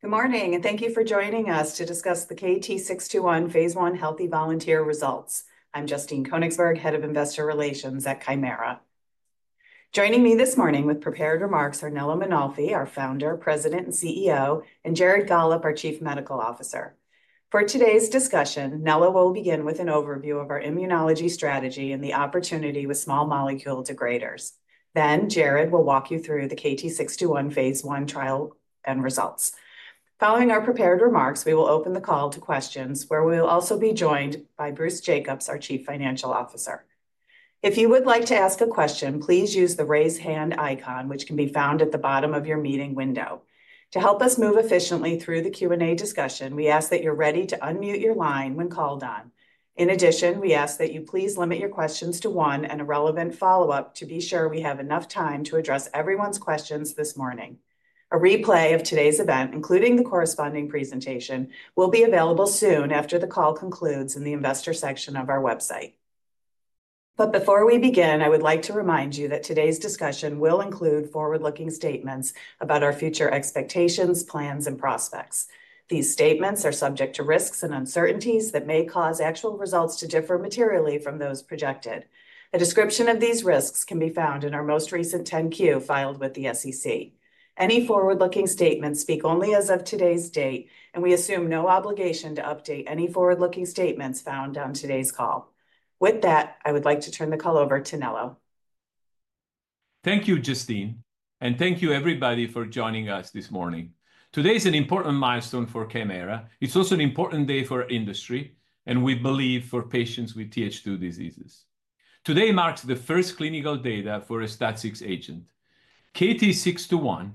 Good morning, and thank you for joining us to discuss the KT-621 phase I healthy volunteer results. I'm Justine Koenigsberg, Head of Investor Relations at Kymera. Joining me this morning with prepared remarks are Nello Mainolfi, our Founder, President, and CEO, and Jared Gollob, our Chief Medical Officer. For today's discussion, Nello will begin with an overview of our immunology strategy and the opportunity with small molecule degraders. Then, Jared will walk you through the KT-621 phase I trial and results. Following our prepared remarks, we will open the call to questions, where we will also be joined by Bruce Jacobs, our Chief Financial Officer. If you would like to ask a question, please use the raise hand icon, which can be found at the bottom of your meeting window. To help us move efficiently through the Q&A discussion, we ask that you're ready to unmute your line when called on. In addition, we ask that you please limit your questions to one and a relevant follow-up to be sure we have enough time to address everyone's questions this morning. A replay of today's event, including the corresponding presentation, will be available soon after the call concludes in the investor section of our website. Before we begin, I would like to remind you that today's discussion will include forward-looking statements about our future expectations, plans, and prospects. These statements are subject to risks and uncertainties that may cause actual results to differ materially from those projected. A description of these risks can be found in our most recent 10-Q filed with the SEC. Any forward-looking statements speak only as of today's date, and we assume no obligation to update any forward-looking statements found on today's call. With that, I would like to turn the call over to Nello. Thank you, Justine, and thank you, everybody, for joining us this morning. Today is an important milestone for Kymera. It's also an important day for industry, and we believe for patients with Th2 diseases. Today marks the first clinical data for a STAT6 agent. KT-621,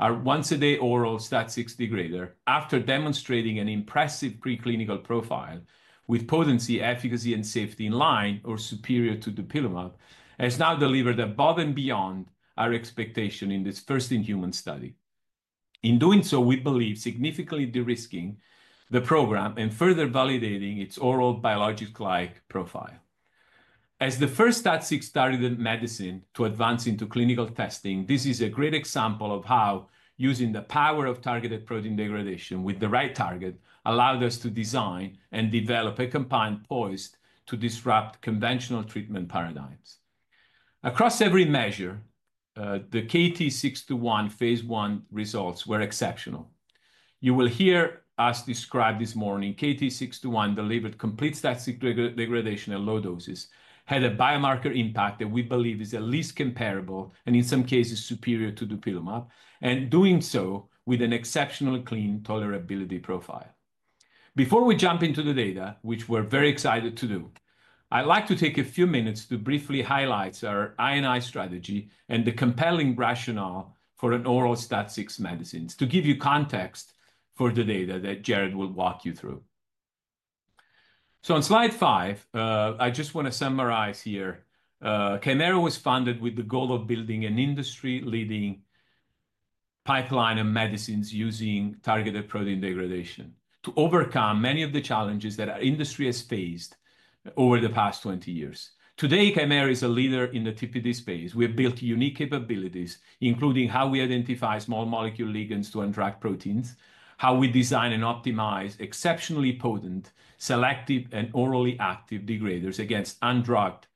our once-a-day oral STAT6 degrader, after demonstrating an impressive preclinical profile with potency, efficacy, and safety in line or superior to dupilumab, has now delivered above and beyond our expectation in this first in-human study. In doing so, we believe, significantly de-risking the program and further validating its oral biologic-like profile. As the first STAT6 targeted medicine to advance into clinical testing, this is a great example of how using the power of targeted protein degradation with the right target allowed us to design and develop a compound poised to disrupt conventional treatment paradigms. Across every measure, the KT-621 phase I results were exceptional. You will hear us describe this morning: KT-621 delivered complete STAT6 degradation at low doses, had a biomarker impact that we believe is at least comparable and, in some cases, superior to dupilumab, and doing so with an exceptionally clean tolerability profile. Before we jump into the data, which we are very excited to do, I'd like to take a few minutes to briefly highlight our INI strategy and the compelling rationale for an oral STAT6 medicine, to give you context for the data that Jared will walk you through. On slide five, I just want to summarize here. Kymera was founded with the goal of building an industry-leading pipeline of medicines using targeted protein degradation to overcome many of the challenges that our industry has faced over the past 20 years. Today, Kymera is a leader in the TPD space. We have built unique capabilities, including how we identify small molecule ligands to undrug proteins, how we design and optimize exceptionally potent, selective, and orally active degraders against undrugged,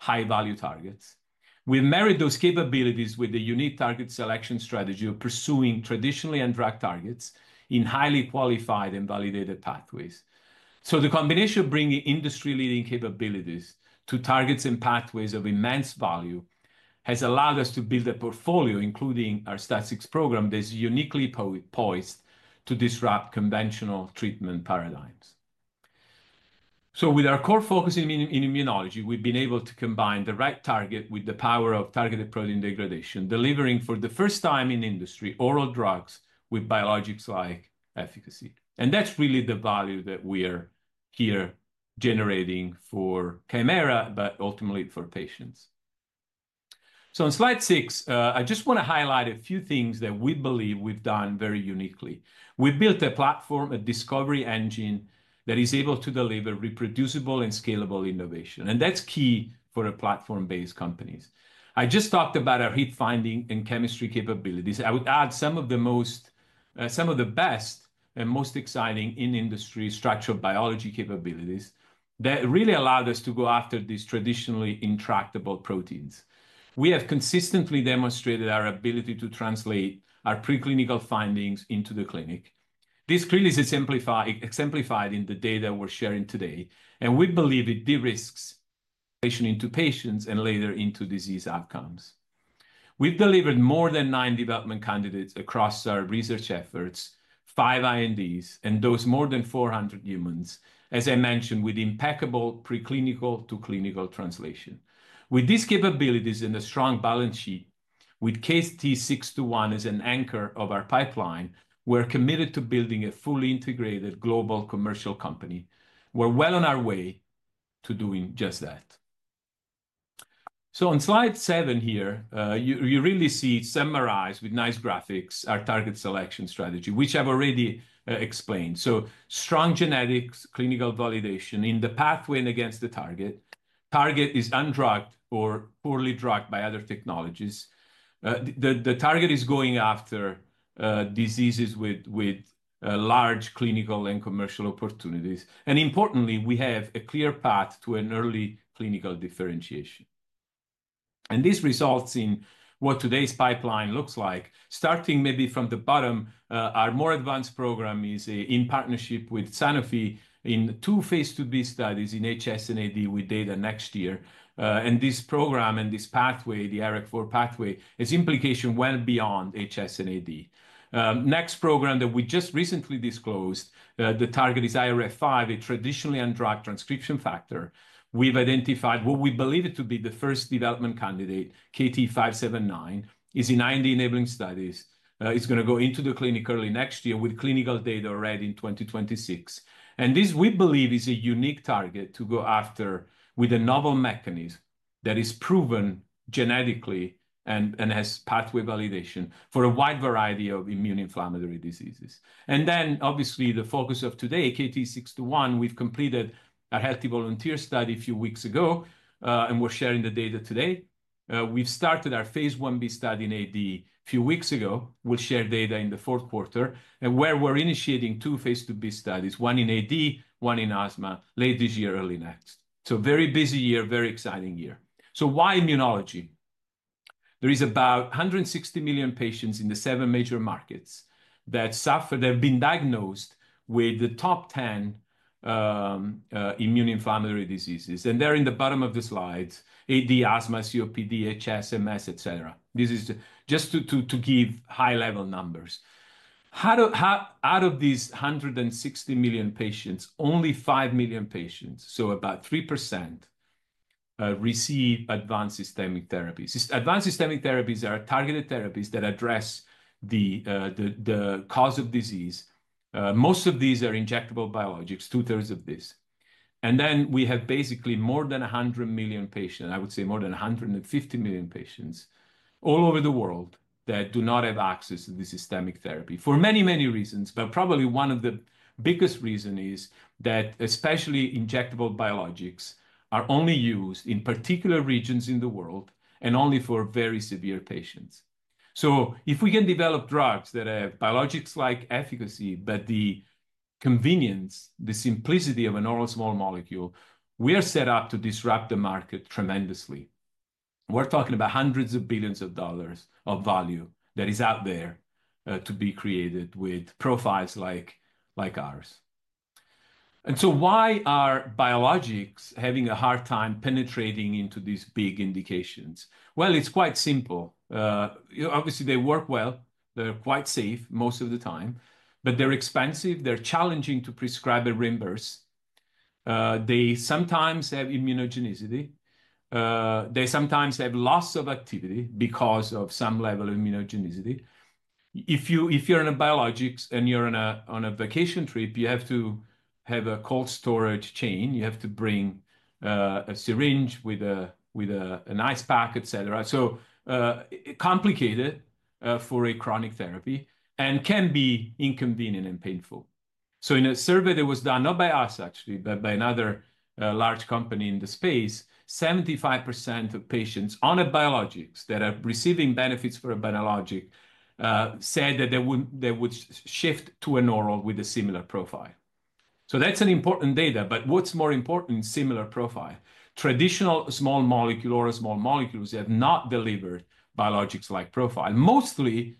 high-value targets. We've married those capabilities with a unique target selection strategy of pursuing traditionally undrugged targets in highly qualified and validated pathways. The combination of bringing industry-leading capabilities to targets and pathways of immense value has allowed us to build a portfolio, including our STAT6 program, that's uniquely poised to disrupt conventional treatment paradigms. With our core focus in immunology, we've been able to combine the right target with the power of targeted protein degradation, delivering for the first time in industry oral drugs with biologics-like efficacy. That's really the value that we are here generating for Kymera, but ultimately for patients. On slide six, I just want to highlight a few things that we believe we've done very uniquely. We've built a platform, a discovery engine that is able to deliver reproducible and scalable innovation. That's key for platform-based companies. I just talked about our hit finding and chemistry capabilities. I would add some of the best and most exciting in-industry structural biology capabilities that really allowed us to go after these traditionally intractable proteins. We have consistently demonstrated our ability to translate our preclinical findings into the clinic. This clearly is exemplified in the data we're sharing today. We believe it de-risks into patients and later into disease outcomes. We've delivered more than nine development candidates across our research efforts, five INDs, and those more than 400 humans, as I mentioned, with impeccable preclinical to clinical translation. With these capabilities and a strong balance sheet, with KT-621 as an anchor of our pipeline, we're committed to building a fully integrated global commercial company. We're well on our way to doing just that. On slide seven here, you really see summarized with nice graphics our target selection strategy, which I've already explained. Strong genetics, clinical validation in the pathway and against the target. Target is undrugged or poorly drugged by other technologies. The target is going after diseases with large clinical and commercial opportunities. Importantly, we have a clear path to an early clinical differentiation. This results in what today's pipeline looks like. Starting maybe from the bottom, our more advanced program is in partnership with Sanofi in two phase II-B studies in HS and AD with data next year. This program and this pathway, the IRAK4 pathway, has implications well beyond HS and AD. The next program that we just recently disclosed, the target is IRAK5, a traditionally undrugged transcription factor. We've identified what we believe to be the first development candidate, KT-579, which is in IND-enabling studies. It's going to go into the clinic early next year with clinical data ready in 2026. This, we believe, is a unique target to go after with a novel mechanism that is proven genetically and has pathway validation for a wide variety of immune inflammatory diseases. Obviously, the focus of today, KT-621, we've completed our healthy volunteer study a few weeks ago, and we're sharing the data today. We've started our phase I-B study in AD a few weeks ago. We'll share data in the fourth quarter. We're initiating two phase II-B studies, one in AD, one in asthma, late this year, early next. Very busy year, very exciting year. Why immunology? There are about 160 million patients in the seven major markets that suffer, that have been diagnosed with the top 10 immune inflammatory diseases. They're in the bottom of the slides: AD, asthma, COPD, HS, MS, et cetera. This is just to give high-level numbers. Out of these 160 million patients, only 5 million patients, so about 3%, receive advanced systemic therapies. Advanced systemic therapies are targeted therapies that address the cause of disease. Most of these are injectable biologics, 2/3 of this. Then we have basically more than 100 million patients, I would say more than 150 million patients all over the world that do not have access to this systemic therapy for many, many reasons. Probably one of the biggest reasons is that especially injectable biologics are only used in particular regions in the world and only for very severe patients. If we can develop drugs that have biologics-like efficacy, but the convenience, the simplicity of an oral small molecule, we are set up to disrupt the market tremendously. We are talking about hundreds of billions of dollars of value that is out there to be created with profiles like ours. Why are biologics having a hard time penetrating into these big indications? It is quite simple. Obviously, they work well. They are quite safe most of the time, but they are expensive. They are challenging to prescribe and reimburse. They sometimes have immunogenicity. They sometimes have loss of activity because of some level of immunogenicity. If you are on a biologic and you are on a vacation trip, you have to have a cold storage chain. You have to bring a syringe with an ice pack, et cetera. So complicated for a chronic therapy and can be inconvenient and painful. In a survey that was done not by us, actually, but by another large company in the space, 75% of patients on a biologics that are receiving benefits for a biologic said that they would shift to an oral with a similar profile. That's an important data. What's more important is similar profile. Traditional small molecule oral small molecules have not delivered biologics-like profile, mostly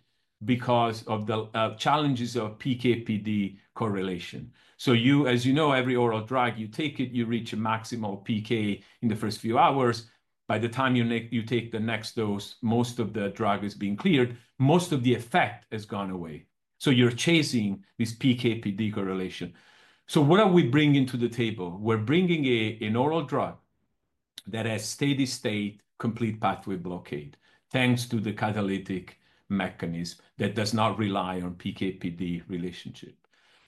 because of the challenges of PK/PD correlation. As you know, every oral drug, you take it, you reach a maximal PK in the first few hours. By the time you take the next dose, most of the drug has been cleared. Most of the effect has gone away. You're chasing this PK/PD correlation. What are we bringing to the table? We're bringing an oral drug that has steady-state complete pathway blockade, thanks to the catalytic mechanism that does not rely on PK/PD relationship.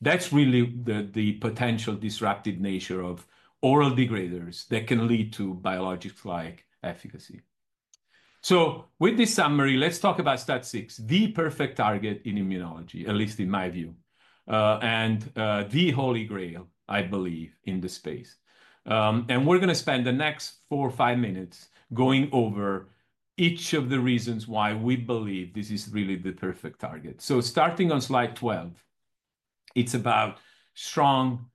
That's really the potential disruptive nature of oral degraders that can lead to biologics-like efficacy. With this summary, let's talk about STAT6, the perfect target in immunology, at least in my view, and the holy grail, I believe, in the space. We're going to spend the next 4-5 minutes going over each of the reasons why we believe this is really the perfect target. Starting on slide 12, it's about strong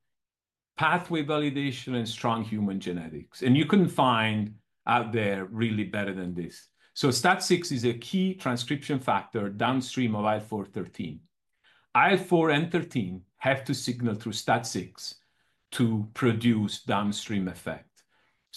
pathway validation and strong human genetics. You couldn't find out there really better than this. STAT6 is a key transcription factor downstream of IL-4 and IL-13. IL-4 and IL-13 have to signal through STAT6 to produce downstream effect.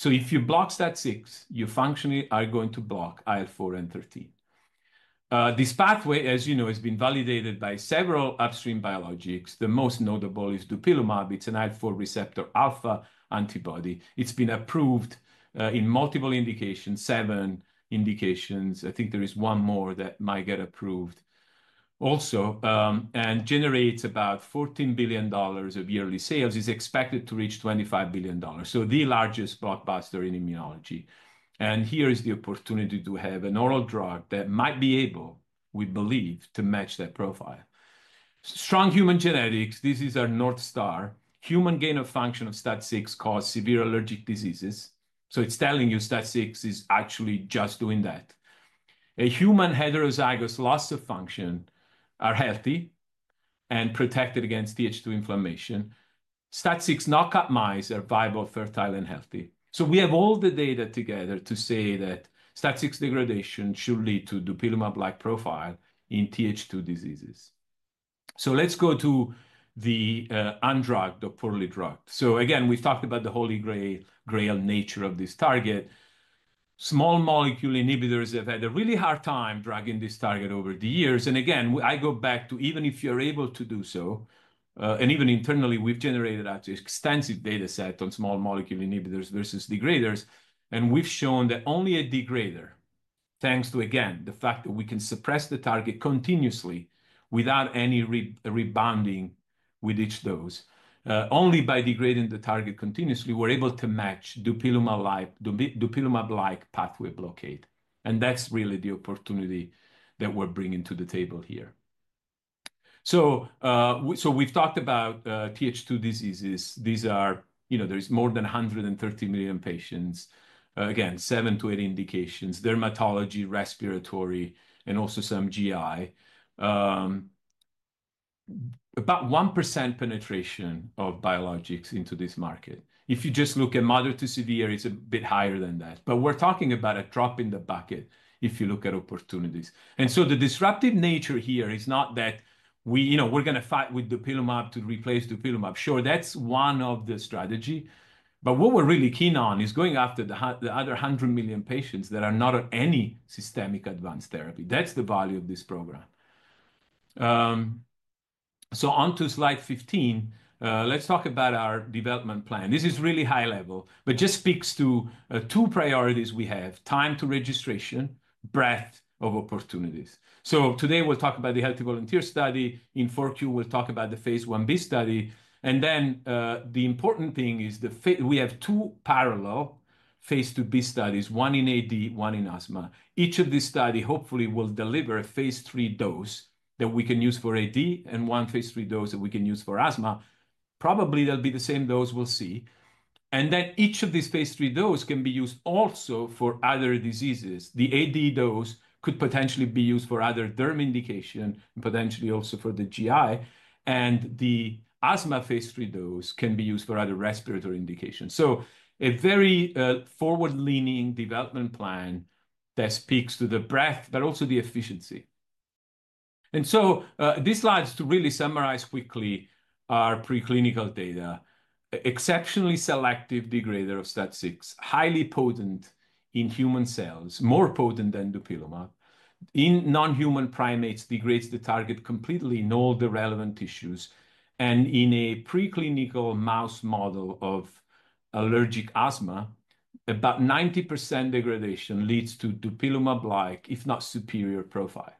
If you block STAT6, your function are going to block IL-4 and IL-13. This pathway, as you know, has been validated by several upstream biologics. The most notable is dupilumab. It's an IL-4 receptor alpha antibody. It's been approved in multiple indications, seven indications. I think there is one more that might get approved also, and generates about $14 billion of yearly sales, is expected to reach $25 billion. The largest blockbuster in immunology. Here is the opportunity to have an oral drug that might be able, we believe, to match that profile. Strong human genetics, this is our North Star. Human gain of function of STAT6 caused severe allergic diseases. It's telling you STAT6 is actually just doing that. A human heterozygous loss of function are healthy and protected against Th2 inflammation. STAT6 knockout mice are viable, fertile, and healthy. We have all the data together to say that STAT6 degradation should lead to a dupilumab-like profile in Th2 diseases. Let's go to the undrugged, poorly drugged. Again, we've talked about the holy grail nature of this target. Small molecule inhibitors have had a really hard time drugging this target over the years. I go back to even if you're able to do so, and even internally, we've generated an extensive data set on small molecule inhibitors versus degraders. We've shown that only a degrader, thanks to the fact that we can suppress the target continuously without any rebounding with each dose, only by degrading the target continuously, we're able to match dupilumab-like pathway blockade. That's really the opportunity that we're bringing to the table here. We've talked about Th2 diseases. There is more than 130 million patients, again, seven to eight indications, dermatology, respiratory, and also some GI. About 1% penetration of biologics into this market. If you just look at moderate to severe, it's a bit higher than that. We're talking about a drop in the bucket if you look at opportunities. The disruptive nature here is not that we're going to fight with dupilumab to replace dupilumab. Sure, that's one of the strategies. What we're really keen on is going after the other 100 million patients that are not on any systemic advanced therapy. That's the value of this program. On to slide 15, let's talk about our development plan. This is really high level, but just speaks to two priorities we have: time to registration, breadth of opportunities. Today we'll talk about the healthy volunteer study. In fourth year, we'll talk about the phase I-B study. The important thing is that we have two parallel phase II-B studies, one in AD, one in asthma. Each of these studies, hopefully, will deliver a phase III dose that we can use for AD and one phase III dose that we can use for asthma. Probably they'll be the same dose, we'll see. Each of these phase III doses can be used also for other diseases. The AD dose could potentially be used for other derm indication, potentially also for the GI. The asthma phase III dose can be used for other respiratory indications. A very forward-leaning development plan that speaks to the breadth, but also the efficiency. This slide is to really summarize quickly our preclinical data. Exceptionally selective degrader of STAT6, highly potent in human cells, more potent than dupilumab. In non-human primates, degrades the target completely in all the relevant tissues. In a preclinical mouse model of allergic asthma, about 90% degradation leads to dupilumab-like, if not superior, profile.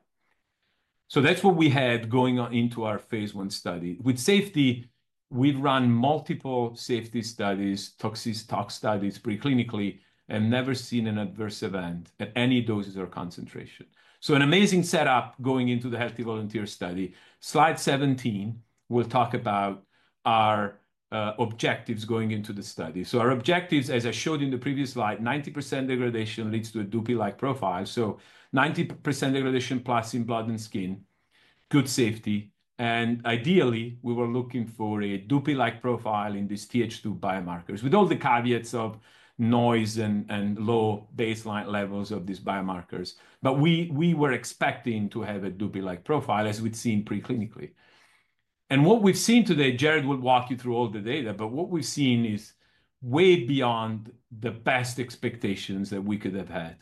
That is what we had going into our phase I study. With safety, we've run multiple safety studies, toxicity studies preclinically, and never seen an adverse event at any doses or concentration. An amazing setup going into the healthy volunteer study. Slide 17, we'll talk about our objectives going into the study. Our objectives, as I showed in the previous slide, 90% degradation leads to a dupi-like profile. Ninety percent degradation plus in blood and skin, good safety. Ideally, we were looking for a dupi-like profile in these Th2 biomarkers with all the caveats of noise and low baseline levels of these biomarkers. We were expecting to have a dupi-like profile as we had seen preclinically. What we have seen today, Jared will walk you through all the data, but what we have seen is way beyond the best expectations that we could have had.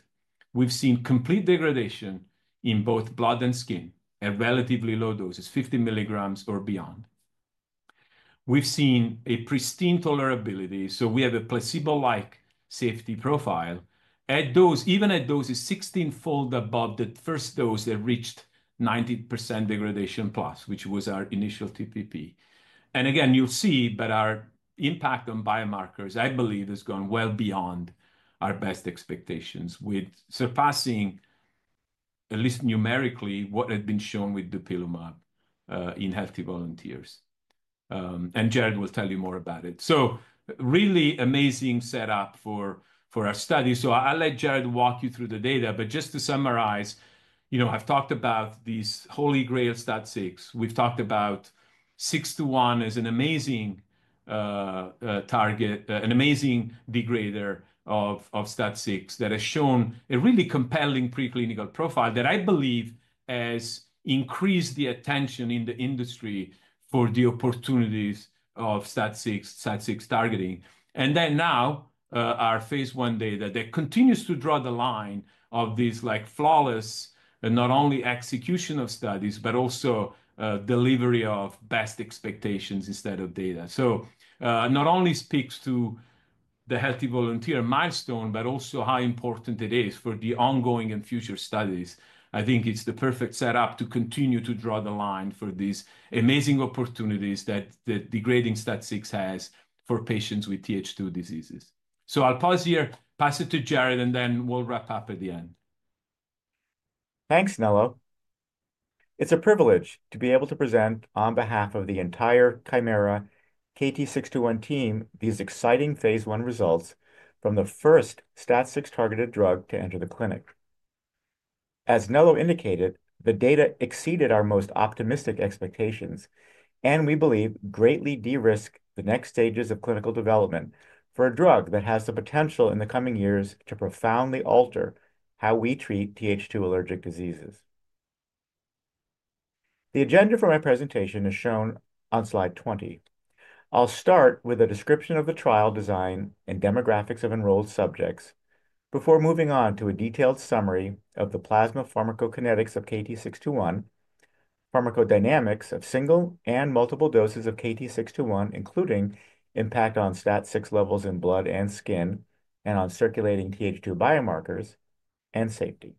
We have seen complete degradation in both blood and skin at relatively low doses, 50 mg or beyond. We have seen a pristine tolerability. We have a placebo-like safety profile, even at doses 16x above the first dose that reached 90% degradation plus, which was our initial TPP. Again, you will see that our impact on biomarkers, I believe, has gone well beyond our best expectations with surpassing, at least numerically, what had been shown with dupilumab in healthy volunteers. Jared will tell you more about it. Really amazing setup for our study. I'll let Jared walk you through the data. Just to summarize, you know I've talked about these holy grail STAT6. We've talked about 621 as an amazing target, an amazing degrader of STAT6 that has shown a really compelling preclinical profile that I believe has increased the attention in the industry for the opportunities of STAT6 targeting. Now our phase I data continues to draw the line of these flawless, not only execution of studies, but also delivery of best expectations instead of data. Not only speaks to the healthy volunteer milestone, but also how important it is for the ongoing and future studies. I think it's the perfect setup to continue to draw the line for these amazing opportunities that degrading STAT6 has for patients with Th2 diseases. I'll pause here, pass it to Jared, and then we'll wrap up at the end. Thanks, Nello. It's a privilege to be able to present on behalf of the entire Kymera KT-621 team, these exciting phase I results from the first STAT6 targeted drug to enter the clinic. As Nello indicated, the data exceeded our most optimistic expectations, and we believe greatly de-risk the next stages of clinical development for a drug that has the potential in the coming years to profoundly alter how we treat Th2 allergic diseases. The agenda for my presentation is shown on slide 20. I'll start with a description of the trial design and demographics of enrolled subjects before moving on to a detailed summary of the plasma pharmacokinetics of KT-621, pharmacodynamics of single and multiple doses of KT-621, including impact on STAT6 levels in blood and skin and on circulating Th2 biomarkers and safety.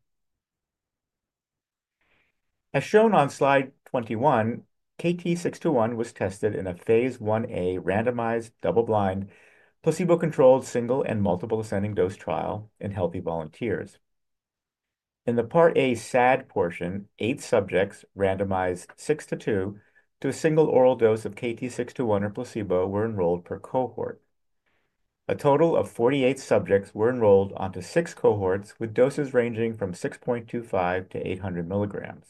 As shown on slide 21, KT-621 was tested in a phase I a randomized double-blind placebo-controlled single and multiple ascending dose trial in healthy volunteers. In the part A SAD portion, eight subjects randomized 6 to 2 to a single oral dose of KT-621 or placebo were enrolled per cohort. A total of 48 subjects were enrolled onto six cohorts with doses ranging from 6.25 mg-800 mg.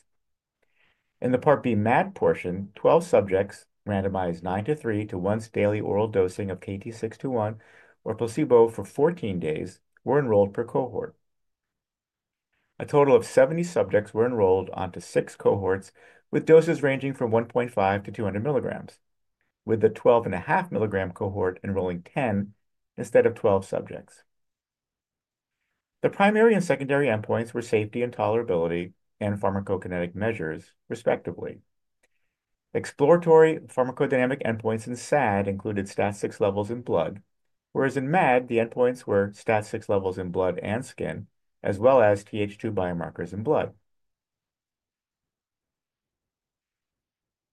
In the part B MAD portion, 12 subjects randomized 9 to 3 to once daily oral dosing of KT-621 or placebo for 14 days were enrolled per cohort. A total of 70 subjects were enrolled onto six cohorts with doses ranging from 1.5 mg-200 mg, with the 12.5 mg cohort enrolling 10 instead of 12 subjects. The primary and secondary endpoints were safety and tolerability and pharmacokinetic measures, respectively. Exploratory pharmacodynamic endpoints in SAD included STAT6 levels in blood, whereas in MAD, the endpoints were STAT6 levels in blood and skin, as well as Th2 biomarkers in blood.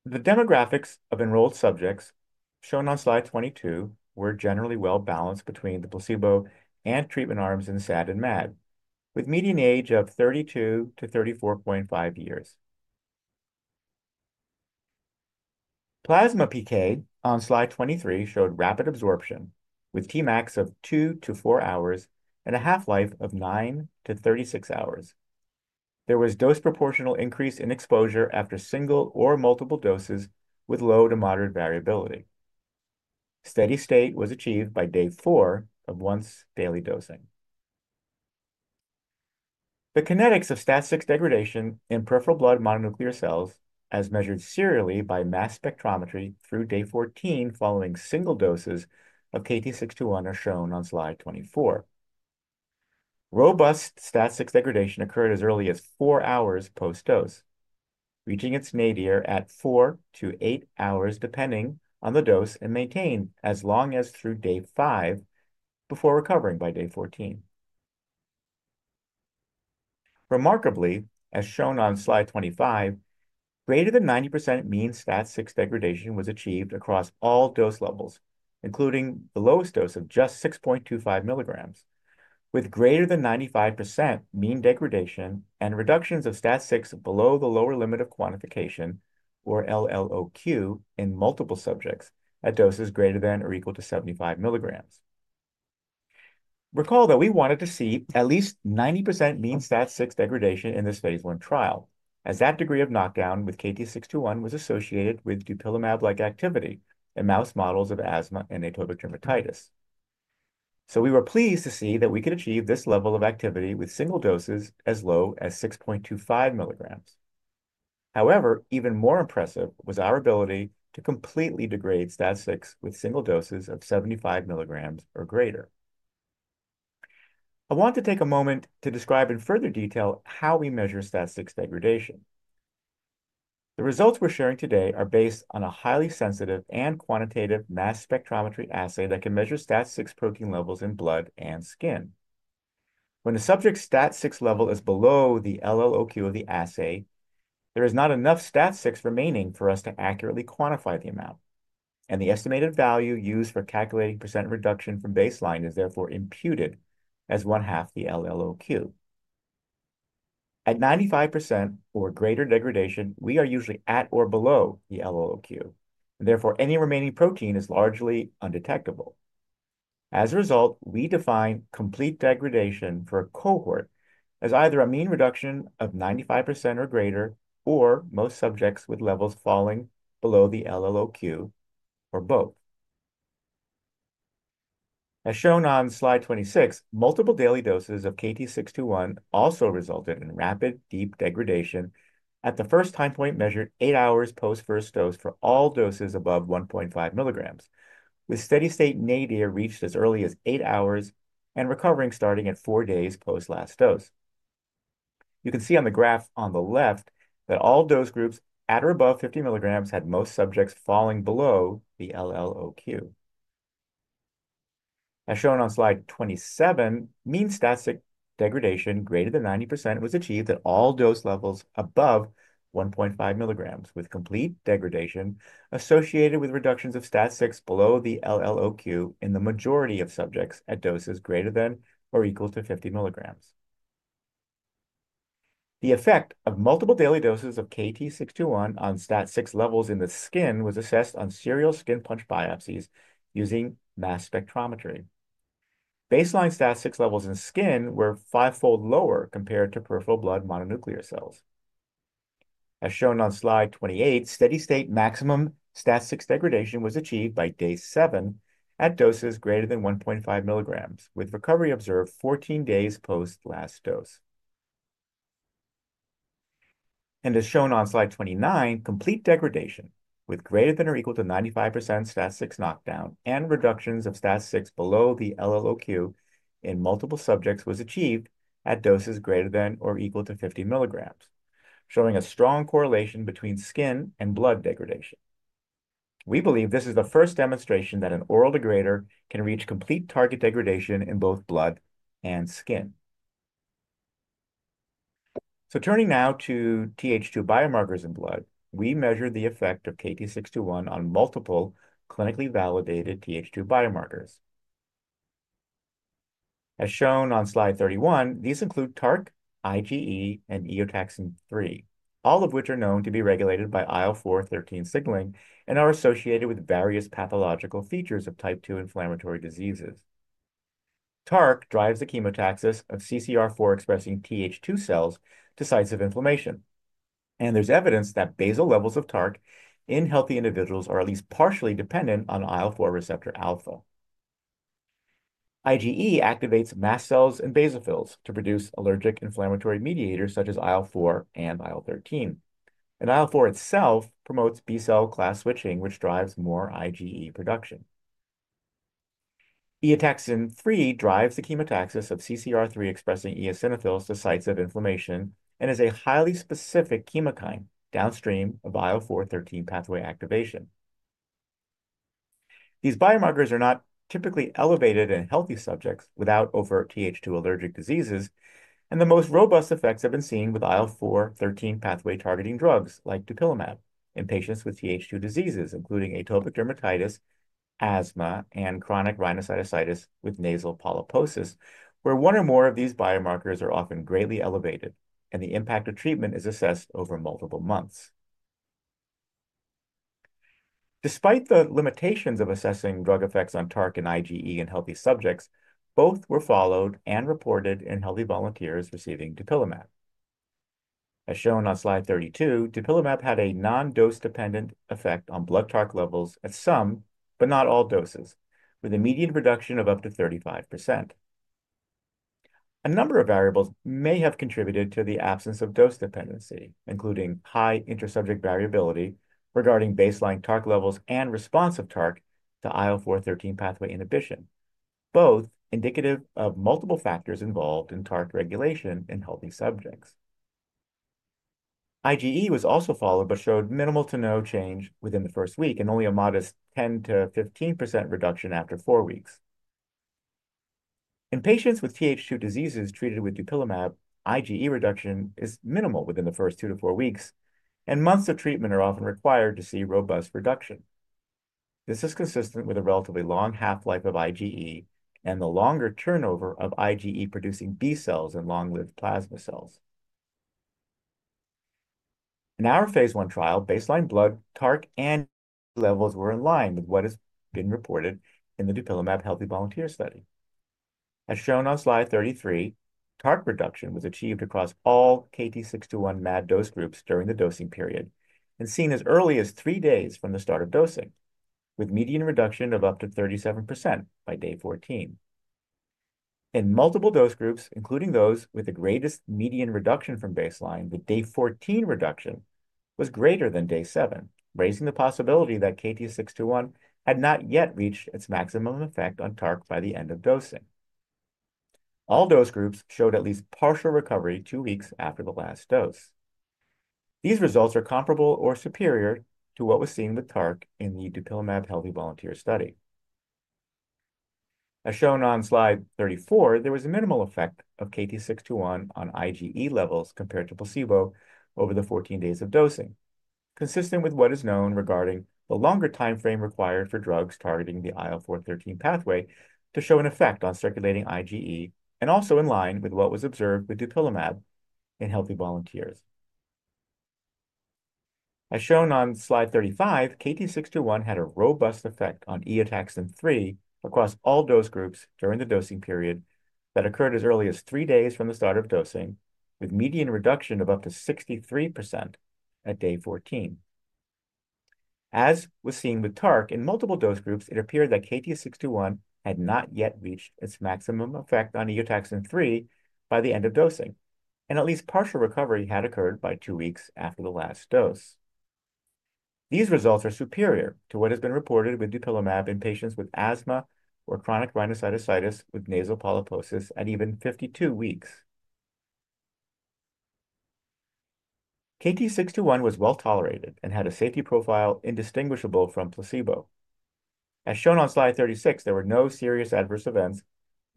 The demographics of enrolled subjects shown on slide 22 were generally well balanced between the placebo and treatment arms in SAD and MAD, with median age of 32-34.5 years. Plasma PK on slide 23 showed rapid absorption with Tmax of two to four hours and a half-life of nine to 36 hours. There was dose proportional increase in exposure after single or multiple doses with low to moderate variability. Steady state was achieved by day four of once daily dosing. The kinetics of STAT6 degradation in peripheral blood mononuclear cells, as measured serially by mass spectrometry through day 14 following single doses of KT-621, are shown on slide 24. Robust STAT6 degradation occurred as early as four hours post-dose, reaching its nadir at 4-8 hours depending on the dose and maintained as long as through day five before recovering by day 14. Remarkably, as shown on slide 25, greater than 90% mean STAT6 degradation was achieved across all dose levels, including the lowest dose of just 6.25 mg, with greater than 95% mean degradation and reductions of STAT6 below the lower limit of quantification, or LLOQ, in multiple subjects at doses greater than or equal to 75 mg. Recall that we wanted to see at least 90% mean STAT6 degradation in this phase I trial, as that degree of knockdown with KT-621 was associated with dupilumab-like activity in mouse models of asthma and atopic dermatitis. We were pleased to see that we could achieve this level of activity with single doses as low as 6.25 mg. However, even more impressive was our ability to completely degrade STAT6 with single doses of 75 mg or greater. I want to take a moment to describe in further detail how we measure STAT6 degradation. The results we're sharing today are based on a highly sensitive and quantitative mass spectrometry assay that can measure STAT6 protein levels in blood and skin. When the subject's STAT6 level is below the LLOQ of the assay, there is not enough STAT6 remaining for us to accurately quantify the amount. The estimated value used for calculating percentage reduction from baseline is therefore imputed as one half the LLOQ. At 95% or greater degradation, we are usually at or below the LLOQ. Therefore, any remaining protein is largely undetectable. As a result, we define complete degradation for a cohort as either a mean reduction of 95% or greater or most subjects with levels falling below the LLOQ or both. As shown on slide 26, multiple daily doses of KT-621 also resulted in rapid deep degradation at the first time point measured eight hours post-first dose for all doses above 1.5 mg, with steady state nadir reached as early as eight hours and recovery starting at four days post-last dose. You can see on the graph on the left that all dose groups at or above 50 mg had most subjects falling below the LLOQ. As shown on slide 27, mean STAT6 degradation greater than 90% was achieved at all dose levels above 1.5 mg, with complete degradation associated with reductions of STAT6 below the LLOQ in the majority of subjects at doses greater than or equal to 50 mg. The effect of multiple daily doses of KT-621 on STAT6 levels in the skin was assessed on serial skin punch biopsies using mass spectrometry. Baseline STAT6 levels in skin were five-fold lower compared to peripheral blood mononuclear cells. As shown on slide 28, steady state maximum STAT6 degradation was achieved by day seven at doses greater than 1.5 mg, with recovery observed 14 days post-last dose. As shown on slide 29, complete degradation with greater than or equal to 95% STAT6 knockdown and reductions of STAT6 below the LLOQ in multiple subjects was achieved at doses greater than or equal to 50 mg, showing a strong correlation between skin and blood degradation. We believe this is the first demonstration that an oral degrader can reach complete target degradation in both blood and skin. Turning now to Th2 biomarkers in blood, we measured the effect of KT-621 on multiple clinically validated Th2 biomarkers. As shown on slide 31, these include TARC, IgE, and Eotaxin-3, all of which are known to be regulated by IL-4/IL-13 signaling and are associated with various pathological features of Type 2 inflammatory diseases. TARC drives the chemotaxis of CCR4-expressing Th2 cells to sites of inflammation. There is evidence that basal levels of TARC in healthy individuals are at least partially dependent on IL-4 receptor alpha. IgE activates mast cells and basophils to produce allergic inflammatory mediators such as IL-4 and IL-13. IL-4 itself promotes B-cell class switching, which drives more IgE production. Eotaxin-3 drives the chemotaxis of CCR3-expressing eosinophils to sites of inflammation and is a highly specific chemokine downstream of IL-4/IL-13 pathway activation. These biomarkers are not typically elevated in healthy subjects without overt Th2 allergic diseases. The most robust effects have been seen with IL-4/IL-13 pathway targeting drugs like dupilumab in patients with Th2 diseases, including atopic dermatitis, asthma, and chronic rhinosinusitis with nasal polyposis, where one or more of these biomarkers are often greatly elevated and the impact of treatment is assessed over multiple months. Despite the limitations of assessing drug effects on TARC and IgE in healthy subjects, both were followed and reported in healthy volunteers receiving dupilumab. As shown on slide 32, dupilumab had a non-dose-dependent effect on blood TARC levels at some, but not all doses, with a median reduction of up to 35%. A number of variables may have contributed to the absence of dose dependency, including high inter-subject variability regarding baseline TARC levels and response of TARC to IL-4/IL-13 pathway inhibition, both indicative of multiple factors involved in TARC regulation in healthy subjects. IgE was also followed but showed minimal to no change within the first week and only a modest 10%-15% reduction after four weeks. In patients with Th2 diseases treated with dupilumab, IgE reduction is minimal within the first two to four weeks, and months of treatment are often required to see robust reduction. This is consistent with a relatively long half-life of IgE and the longer turnover of IgE-producing B cells and long-lived plasma cells. In our phase I trial, baseline blood TARC and IgE levels were in line with what has been reported in the dupilumab healthy volunteer study. As shown on slide 33, TARC reduction was achieved across all KT-621 MAD dose groups during the dosing period and seen as early as three days from the start of dosing, with median reduction of up to 37% by day 14. In multiple dose groups, including those with the greatest median reduction from baseline, the day 14 reduction was greater than day seven, raising the possibility that KT-621 had not yet reached its maximum effect on TARC by the end of dosing. All dose groups showed at least partial recovery two weeks after the last dose. These results are comparable or superior to what was seen with TARC in the dupilumab healthy volunteer study. As shown on slide 34, there was a minimal effect of KT-621 on IgE levels compared to placebo over the 14 days of dosing, consistent with what is known regarding the longer time frame required for drugs targeting the IL-4/IL-13 pathway to show an effect on circulating IgE and also in line with what was observed with dupilumab in healthy volunteers. As shown on slide 35, KT-621 had a robust effect on Eotaxin-3 across all dose groups during the dosing period that occurred as early as three days from the start of dosing, with median reduction of up to 63% at day 14. As was seen with TARC in multiple dose groups, it appeared that KT-621 had not yet reached its maximum effect on Eotaxin-3 by the end of dosing, and at least partial recovery had occurred by two weeks after the last dose. These results are superior to what has been reported with dupilumab in patients with asthma or chronic rhinosinusitis with nasal polyposis at even 52 weeks. KT-621 was well tolerated and had a safety profile indistinguishable from placebo. As shown on slide 36, there were no serious adverse events,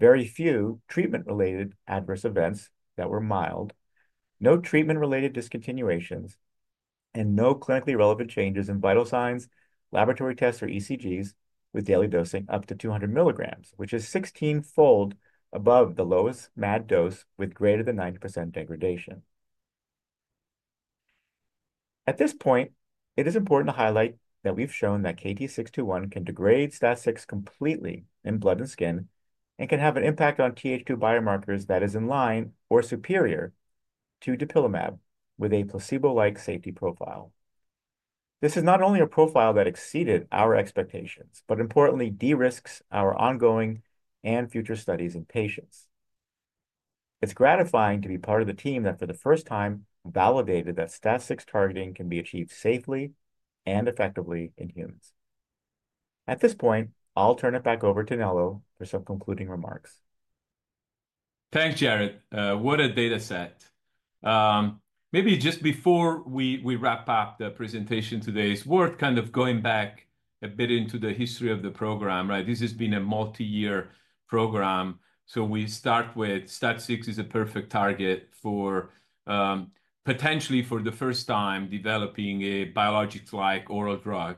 very few treatment-related adverse events that were mild, no treatment-related discontinuations, and no clinically relevant changes in vital signs, laboratory tests, or ECGs with daily dosing up to 200 mg, which is 16x above the lowest MAD dose with greater than 90% degradation. At this point, it is important to highlight that we've shown that KT-621 can degrade STAT6 completely in blood and skin and can have an impact on Th2 biomarkers that is in line or superior to dupilumab with a placebo-like safety profile. This is not only a profile that exceeded our expectations, but importantly, de-risked our ongoing and future studies in patients. It's gratifying to be part of the team that for the first time validated that STAT6 targeting can be achieved safely and effectively in humans. At this point, I'll turn it back over to Nello for some concluding remarks. Thanks, Jared. What a data set. Maybe just before we wrap up the presentation today’s worth, kind of going back a bit into the history of the program, right? This has been a multi-year program. We start with STAT6 is a perfect target for potentially for the first time developing a biologics-like oral drug.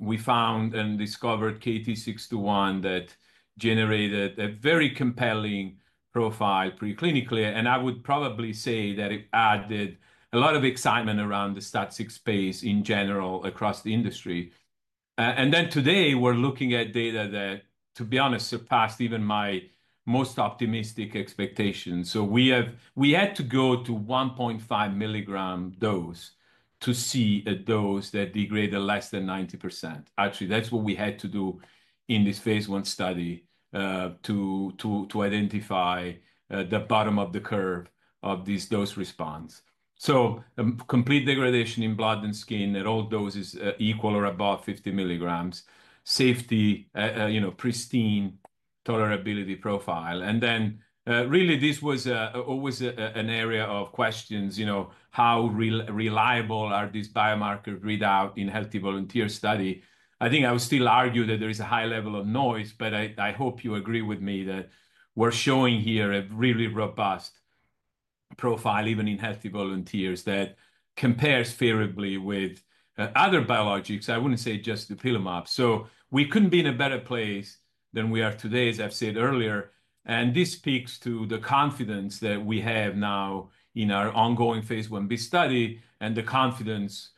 We found and discovered KT-621 that generated a very compelling profile preclinically. I would probably say that it added a lot of excitement around the STAT6 space in general across the industry. Today, we’re looking at data that, to be honest, surpassed even my most optimistic expectations. We had to go to 1.5 mg dose to see a dose that degraded less than 90%. Actually, that’s what we had to do in this phase I study to identify the bottom of the curve of this dose response. Complete degradation in blood and skin at all doses equal or above 50 mg, safety, you know, pristine tolerability profile. And then really, this was always an area of questions, you know, how reliable are these biomarkers read out in healthy volunteer study? I think I would still argue that there is a high level of noise, but I hope you agree with me that we're showing here a really robust profile, even in healthy volunteers, that compares favorably with other biologics. I wouldn't say just dupilumab. We couldn't be in a better place than we are today, as I've said earlier. This speaks to the confidence that we have now in our ongoing phase I-B study and the confidence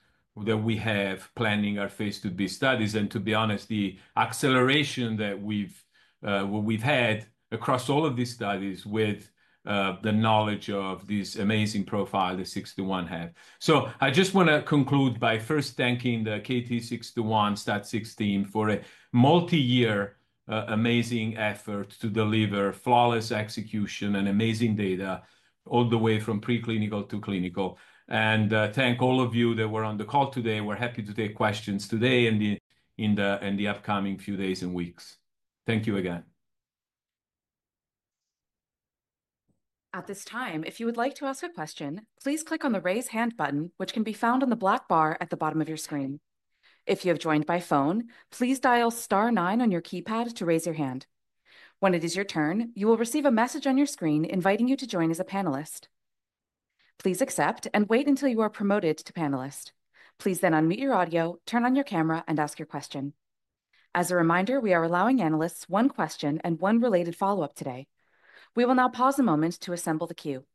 that we have planning our phase II-B studies. To be honest, the acceleration that we've had across all of these studies with the knowledge of this amazing profile that KT-621 had. I just want to conclude by first thanking the KT-621 STAT6 team for a multi-year amazing effort to deliver flawless execution and amazing data all the way from preclinical to clinical. Thank all of you that were on the call today. We're happy to take questions today and in the upcoming few days and weeks. Thank you again. At this time, if you would like to ask a question, please click on the raise hand button, which can be found on the black bar at the bottom of your screen. If you have joined by phone, please dial star nine on your keypad to raise your hand. When it is your turn, you will receive a message on your screen inviting you to join as a panelist. Please accept and wait until you are promoted to panelist. Please then unmute your audio, turn on your camera, and ask your question. As a reminder, we are allowing analysts one question and one related follow-up today. We will now pause a moment to assemble the queue.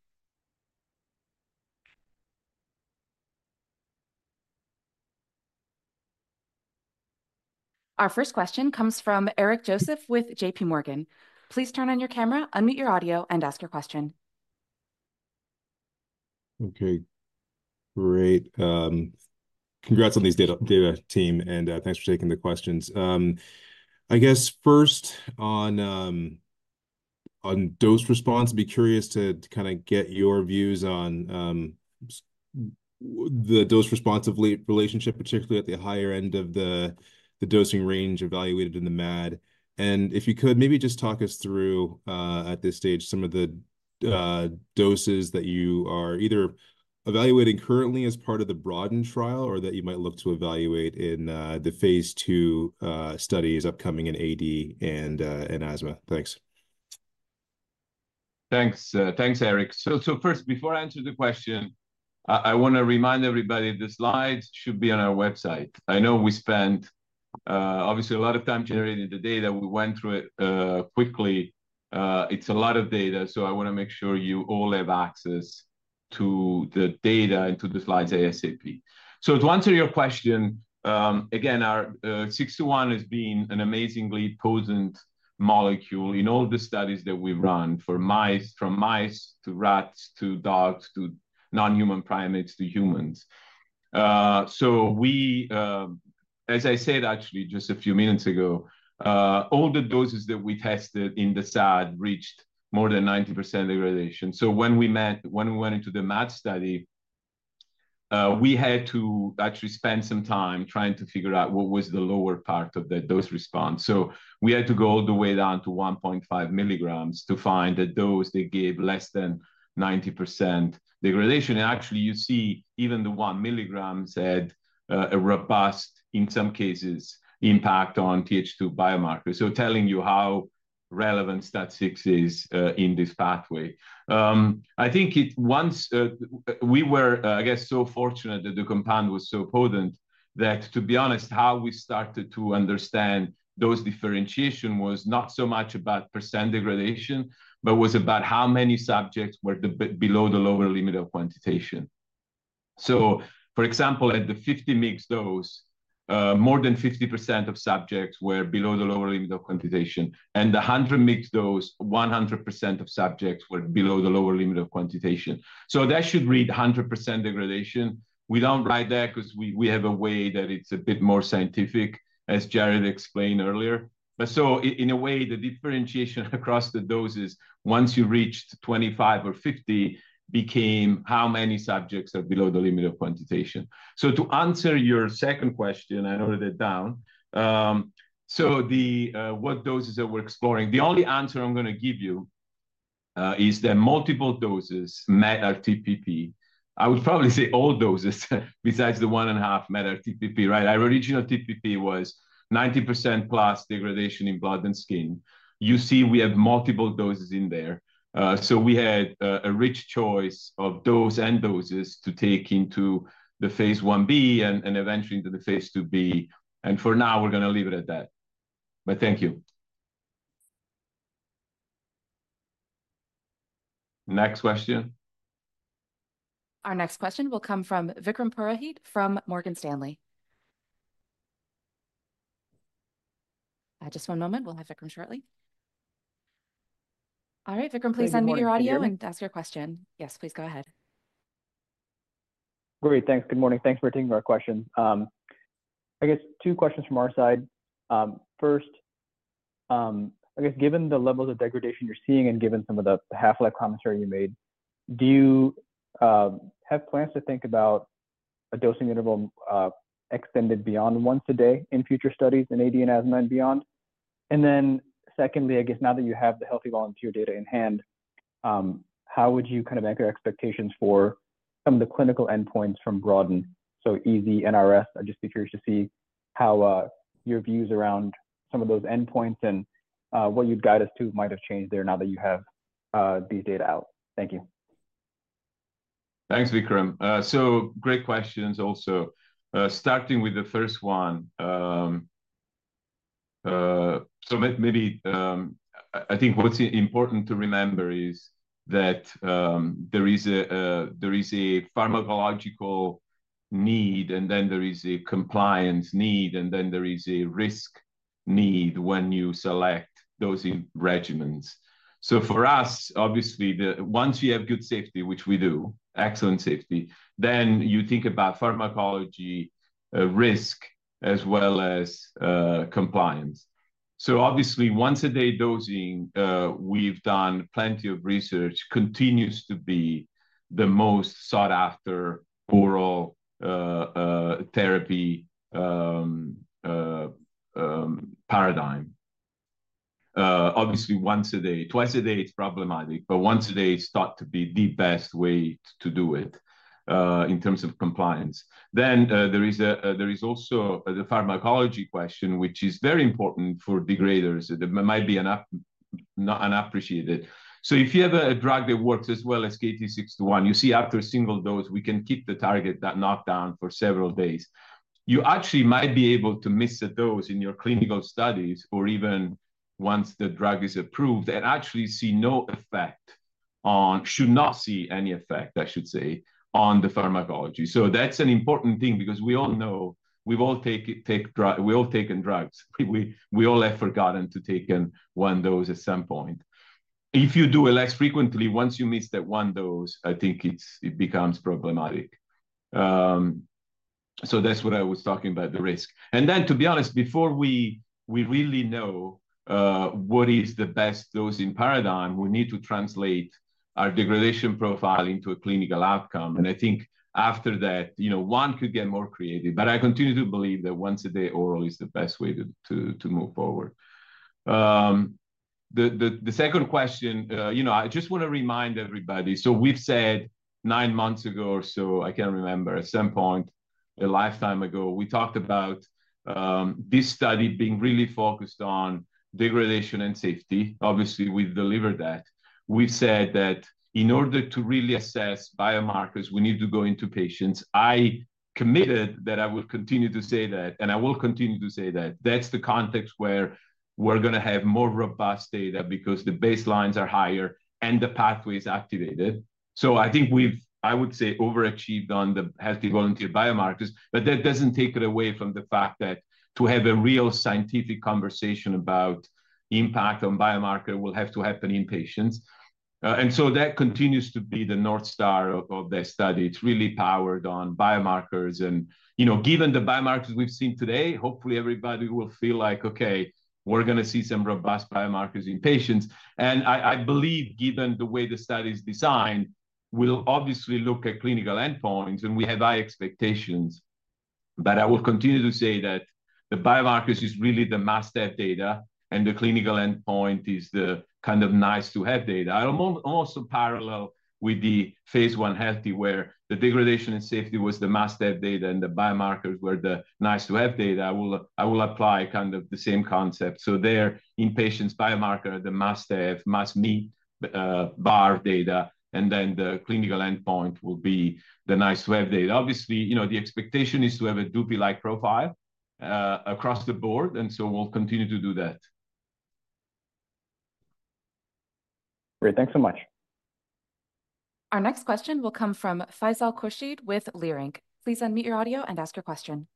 Our first question comes from Eric Joseph with JP Morgan. Please turn on your camera, unmute your audio, and ask your question. Okay. Great. Congrats on these data, team, and thanks for taking the questions. I guess first on dose response, I'd be curious to kind of get your views on the dose-responsive relationship, particularly at the higher end of the dosing range evaluated in the MAD. If you could, maybe just talk us through at this stage some of the doses that you are either evaluating currently as part of the broadened trial or that you might look to evaluate in the phase II studies upcoming in AD and asthma. Thanks. Thanks. Thanks, Eric. First, before I answer the question, I want to remind everybody the slides should be on our website. I know we spent obviously a lot of time generating the data. We went through it quickly. It's a lot of data, so I want to make sure you all have access to the data and to the slides ASAP. To answer your question, again, 621 has been an amazingly potent molecule in all the studies that we've run from mice to rats to dogs to non-human primates to humans. As I said actually just a few minutes ago, all the doses that we tested in the SAD reached more than 90% degradation. When we went into the MAD study, we had to actually spend some time trying to figure out what was the lower part of the dose response. We had to go all the way down to 1.5 mg to find the dose that gave less than 90% degradation. Actually, you see even the 1 mg had a robust, in some cases, impact on Th2 biomarkers. Telling you how relevant STAT6 is in this pathway. I think it once we were, I guess, so fortunate that the compound was so potent that, to be honest, how we started to understand dose differentiation was not so much about percentage degradation, but was about how many subjects were below the lower limit of quantitation. For example, at the 50 mg dose, more than 50% of subjects were below the lower limit of quantitation. At the 100 mg dose, 100% of subjects were below the lower limit of quantitation. That should read 100% degradation. We do not write that because we have a way that it is a bit more scientific, as Jared explained earlier. In a way, the differentiation across the doses, once you reached 25mg or 50mg, became how many subjects are below the limit of quantitation. To answer your second question, I wrote it down. The doses that we are exploring, the only answer I am going to give you is that multiple doses MAD or TPP. I would probably say all doses besides the one and a half MAD or TPP, right? Our original TPP was 90%+ degradation in blood and skin. You see we have multiple doses in there. We had a rich choice of dose and doses to take into the phase I-B and eventually into the phase II-B. For now, we are going to leave it at that. Thank you. Next question. Our next question will come from Vikram Purohit from Morgan Stanley. Just one moment. We'll have Vikram shortly. All right, Vikram, please unmute your audio and ask your question. Yes, please go ahead. Great. Thanks. Good morning. Thanks for taking our question. I guess two questions from our side. First, I guess given the levels of degradation you're seeing and given some of the half-life commentary you made, do you have plans to think about a dosing interval extended beyond once a day in future studies in AD and asthma and beyond? Secondly, I guess now that you have the healthy volunteer data in hand, how would you kind of anchor expectations for some of the clinical endpoints from broaden? So EZ, NRS, I'd just be curious to see how your views around some of those endpoints and what you'd guide us to might have changed there now that you have these data out. Thank you. Thanks, Vikram. Great questions also. Starting with the first one. Maybe I think what's important to remember is that there is a pharmacological need, and then there is a compliance need, and then there is a risk need when you select those regimens. For us, obviously, once you have good safety, which we do, excellent safety, then you think about pharmacology risk as well as compliance. Obviously, once a day dosing, we've done plenty of research, continues to be the most sought-after oral therapy paradigm. Obviously, once a day, twice a day is problematic, but once a day is thought to be the best way to do it in terms of compliance. There is also the pharmacology question, which is very important for degraders that might be not appreciated. If you have a drug that works as well as KT-621, you see after a single dose, we can keep the target, that knockdown for several days. You actually might be able to miss a dose in your clinical studies or even once the drug is approved and actually see no effect on, should not see any effect, I should say, on the pharmacology. That is an important thing because we all know we've all taken drugs. We all have forgotten to take one dose at some point. If you do it less frequently, once you miss that one dose, I think it becomes problematic. That is what I was talking about, the risk. To be honest, before we really know what is the best dose and paradigm, we need to translate our degradation profile into a clinical outcome. I think after that, one could get more creative. I continue to believe that once a day oral is the best way to move forward. The second question, I just want to remind everybody. We said nine months ago or so, I cannot remember, at some point a lifetime ago, we talked about this study being really focused on degradation and safety. Obviously, we have delivered that. We said that in order to really assess biomarkers, we need to go into patients. I committed that I will continue to say that, and I will continue to say that. That is the context where we are going to have more robust data because the baselines are higher and the pathway is activated. I think we have, I would say, overachieved on the healthy volunteer biomarkers. That does not take it away from the fact that to have a real scientific conversation about impact on biomarker will have to happen in patients. That continues to be the north star of this study. It is really powered on biomarkers. Given the biomarkers we have seen today, hopefully everybody will feel like, okay, we are going to see some robust biomarkers in patients. I believe given the way the study is designed, we will obviously look at clinical endpoints and we have high expectations. I will continue to say that the biomarkers is really the must-have data and the clinical endpoint is the kind of nice-to-have data. I will also parallel with the phase I healthy where the degradation and safety was the must-have data and the biomarkers were the nice-to-have data. I will apply kind of the same concept. There in patients, biomarker at the must-have, must-meet bar data, and then the clinical endpoint will be the nice-to-have data. Obviously, the expectation is to have a dupli-like profile across the board. We'll continue to do that. Great. Thanks so much. Our next question will come from Faisal Khurshid with Leerink Partners. Please unmute your audio and ask your question.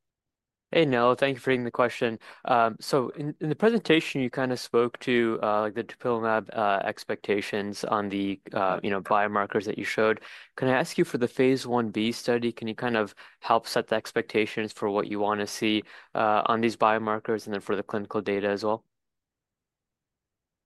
Hey, Nello. Thank you for taking the question. In the presentation, you kind of spoke to the dupilumab expectations on the biomarkers that you showed. Can I ask you for the phase I-B study? Can you kind of help set the expectations for what you want to see on these biomarkers and then for the clinical data as well?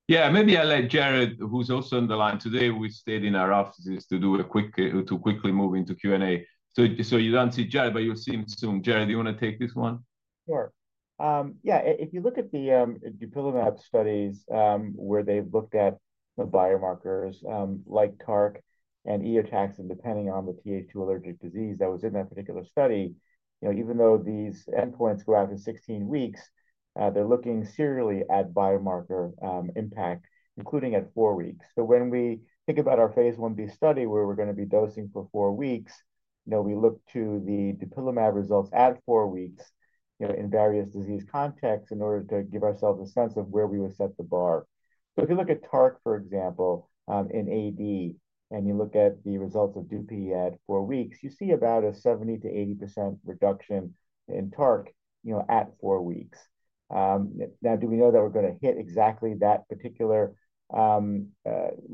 Yeah, maybe I'll let Jared, who's also on the line today, we stayed in our offices to do a quick, to quickly move into Q&A. So you don't see Jared, but you'll see him soon. Jared, do you want to take this one? Sure. Yeah. If you look at the dupilumab studies where they've looked at biomarkers like TARC and Eotaxin, depending on the Th2 allergic disease that was in that particular study, even though these endpoints go out in 16 weeks, they're looking serially at biomarker impact, including at four weeks. When we think about our phase I-B study where we're going to be dosing for four weeks, we look to the dupilumab results at four weeks in various disease contexts in order to give ourselves a sense of where we would set the bar. If you look at TARC, for example, in AD, and you look at the results of dupi at four weeks, you see about a 70%-80% reduction in TARC at four weeks. Now, do we know that we're going to hit exactly that particular level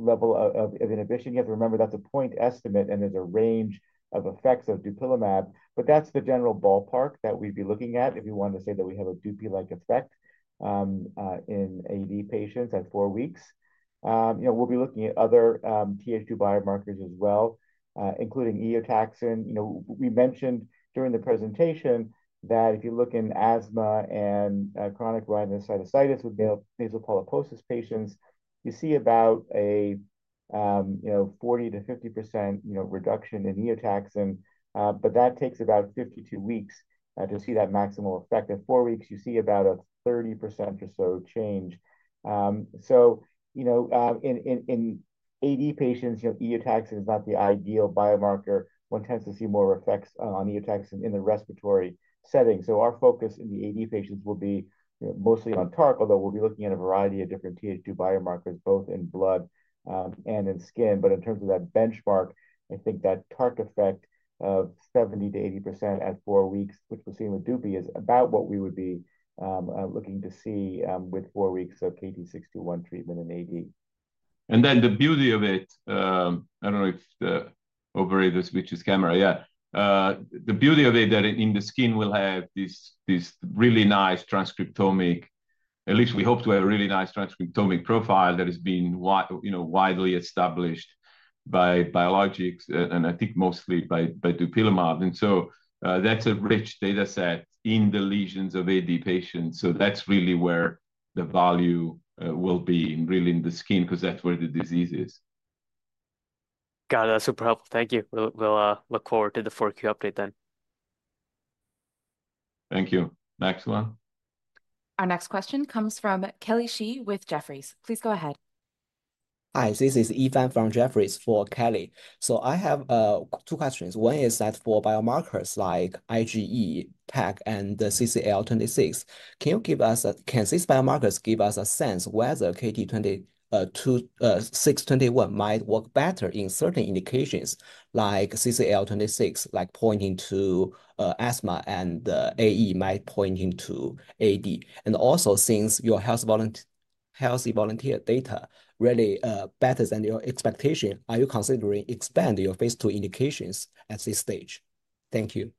of inhibition? You have to remember that's a point estimate and there's a range of effects of dupilumab. That's the general ballpark that we'd be looking at if we want to say that we have a dupi-like effect in AD patients at four weeks. We'll be looking at other Th2 biomarkers as well, including Eotaxin. We mentioned during the presentation that if you look in asthma and chronic rhinosinusitis with nasal polyposis patients, you see about a 40%-50% reduction in Eotaxin. That takes about 52 weeks to see that maximal effect. At four weeks, you see about a 30% or so change. In AD patients, Eotaxin is not the ideal biomarker. One tends to see more effects on Eotaxin in the respiratory setting. Our focus in the AD patients will be mostly on TARC, although we'll be looking at a variety of different Th%2 biomarkers, both in blood and in skin. In terms of that benchmark, I think that TARC effect of 70-80% at four weeks, which we're seeing with dupi, is about what we would be looking to see with four weeks of KT-621 treatment in AD. The beauty of it, I do not know if the overhead switches camera, yeah. The beauty of it is that in the skin we will have this really nice transcriptomic, at least we hope to have a really nice transcriptomic profile that has been widely established by biologics, and I think mostly by dupilumab. That is a rich data set in the lesions of AD patients. That is really where the value will be, really in the skin because that is where the disease is. Got it. That's super helpful. Thank you. We'll look forward to the 4Q update then. Thank you. Next one. Our next question comes from Kelly Shi with Jefferies. Please go ahead. Hi, this is Evan from Jefferies for Kelly. I have two questions. One is that for biomarkers like IgE, TARC, and CCL26, can you give us, can these biomarkers give us a sense whether KT-621 might work better in certain indications, like CCL26, like pointing to asthma and AE might pointing to AD? Also, since your healthy volunteer data really better than your expectation, are you considering expanding your phase II indications at this stage? Thank you.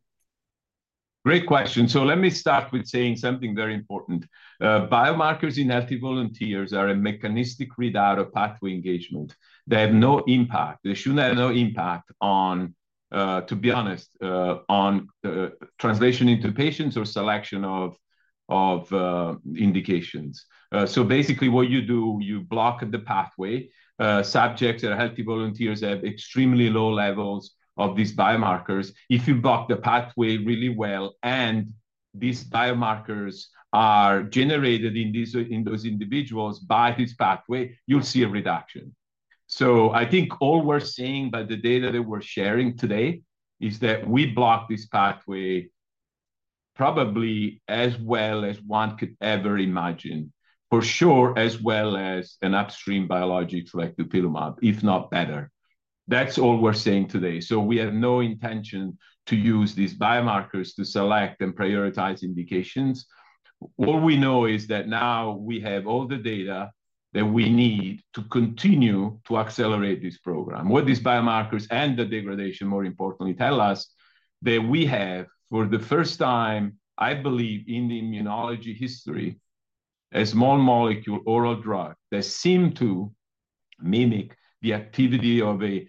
Great question. Let me start with saying something very important. Biomarkers in healthy volunteers are a mechanistic readout of pathway engagement. They have no impact. They should have no impact on, to be honest, on translation into patients or selection of indications. Basically, what you do, you block the pathway. Subjects that are healthy volunteers have extremely low levels of these biomarkers. If you block the pathway really well and these biomarkers are generated in those individuals by this pathway, you'll see a reduction. I think all we're seeing by the data that we're sharing today is that we block this pathway probably as well as one could ever imagine, for sure, as well as an upstream biologic like dupilumab, if not better. That's all we're saying today. We have no intention to use these biomarkers to select and prioritize indications. All we know is that now we have all the data that we need to continue to accelerate this program. What these biomarkers and the degradation, more importantly, tell us is that we have for the first time, I believe, in the immunology history, a small molecule oral drug that seemed to mimic the activity of an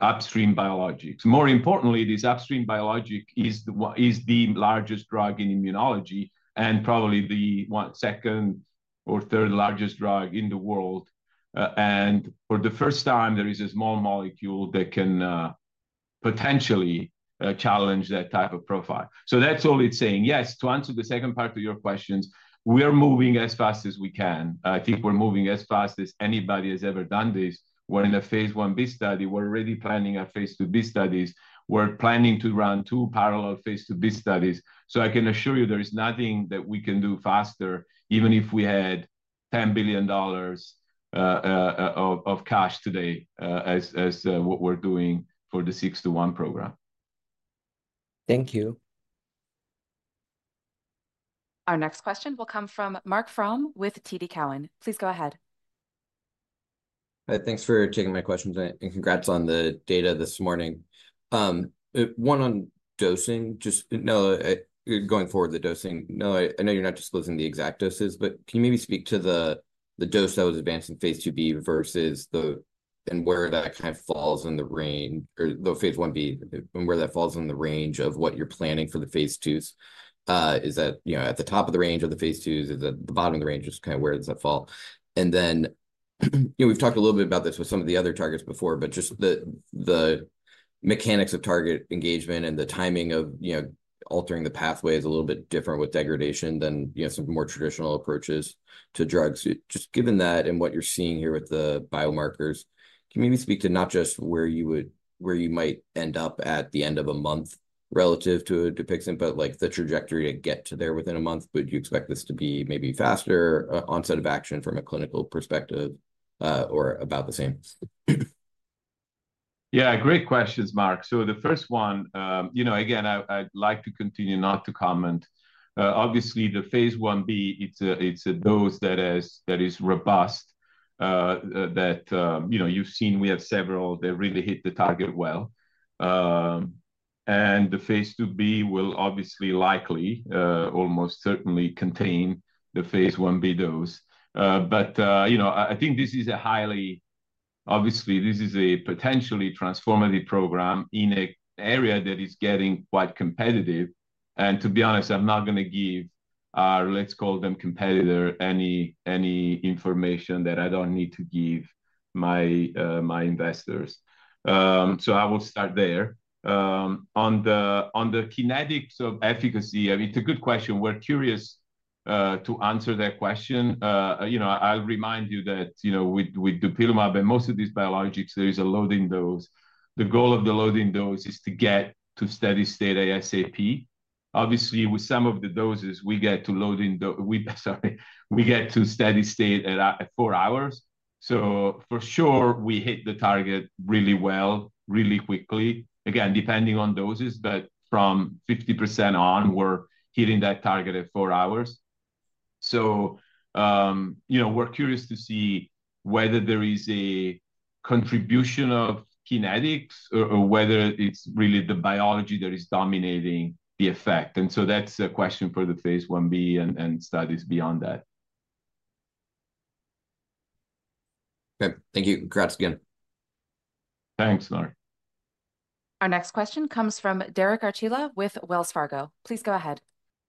upstream biologic. More importantly, this upstream biologic is the largest drug in immunology and probably the second or third largest drug in the world. For the first time, there is a small molecule that can potentially challenge that type of profile. That is all it is saying. Yes, to answer the second part of your questions, we are moving as fast as we can. I think we are moving as fast as anybody has ever done this. We are in a phase I-B study. We are already planning our phase II-B studies. We're planning to run two parallel phase II-B studies. I can assure you there is nothing that we can do faster, even if we had $10 billion of cash today, as what we're doing for the KT-621 program. Thank you. Our next question will come from Marc Frahm with TD Cowen. Please go ahead. Thanks for taking my questions and congrats on the data this morning. One on dosing, just going forward, the dosing. I know you're not disclosing the exact doses, but can you maybe speak to the dose that was advanced in phase II-B versus the and where that kind of falls in the range or the phase I-B and where that falls in the range of what you're planning for the phase IIs? Is that at the top of the range of the phase IIs? Is that the bottom of the range? Just kind of where does that fall? We've talked a little bit about this with some of the other targets before, but just the mechanics of target engagement and the timing of altering the pathway is a little bit different with degradation than some more traditional approaches to drugs. Just given that and what you're seeing here with the biomarkers, can you maybe speak to not just where you might end up at the end of a month relative to a dupilumab, but the trajectory to get to there within a month? Would you expect this to be maybe faster, onset of action from a clinical perspective, or about the same? Yeah, great questions, Marc. The first one, again, I'd like to continue not to comment. Obviously, the phase I-B, it's a dose that is robust that you've seen. We have several that really hit the target well. The phase II-B will obviously likely, almost certainly, contain the phase I-B dose. I think this is a highly, obviously, this is a potentially transformative program in an area that is getting quite competitive. To be honest, I'm not going to give our, let's call them competitor, any information that I don't need to give my investors. I will start there. On the kinetics of efficacy, I mean, it's a good question. We're curious to answer that question. I'll remind you that with dupilumab and most of these biologics, there is a loading dose. The goal of the loading dose is to get to steady state ASAP. Obviously, with some of the doses, we get to loading, sorry, we get to steady state at four hours. For sure, we hit the target really well, really quickly, again, depending on doses, but from 50% on, we're hitting that target at four hours. We're curious to see whether there is a contribution of kinetics or whether it's really the biology that is dominating the effect. That is a question for the phase I-B and studies beyond that. Thank you. Congrats again. Thanks, Marc. Our next question comes from Derek Archila with Wells Fargo. Please go ahead.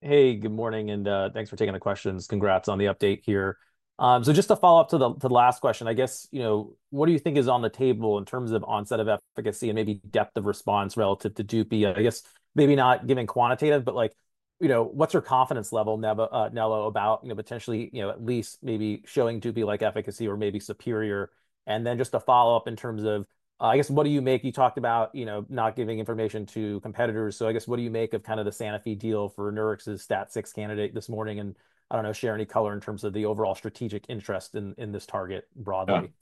Hey, good morning. Thanks for taking the questions. Congrats on the update here. Just to follow up to the last question, I guess, what do you think is on the table in terms of onset of efficacy and maybe depth of response relative to dupi? I guess maybe not giving quantitative, but what's your confidence level, Nello, about potentially at least maybe showing dupi-like efficacy or maybe superior? Just a follow-up in terms of, I guess, what do you make? You talked about not giving information to competitors. I guess, what do you make of kind of the Sanofi deal for Nurix's STAT6 candidate this morning? I don't know, share any color in terms of the overall strategic interest in this target broadly.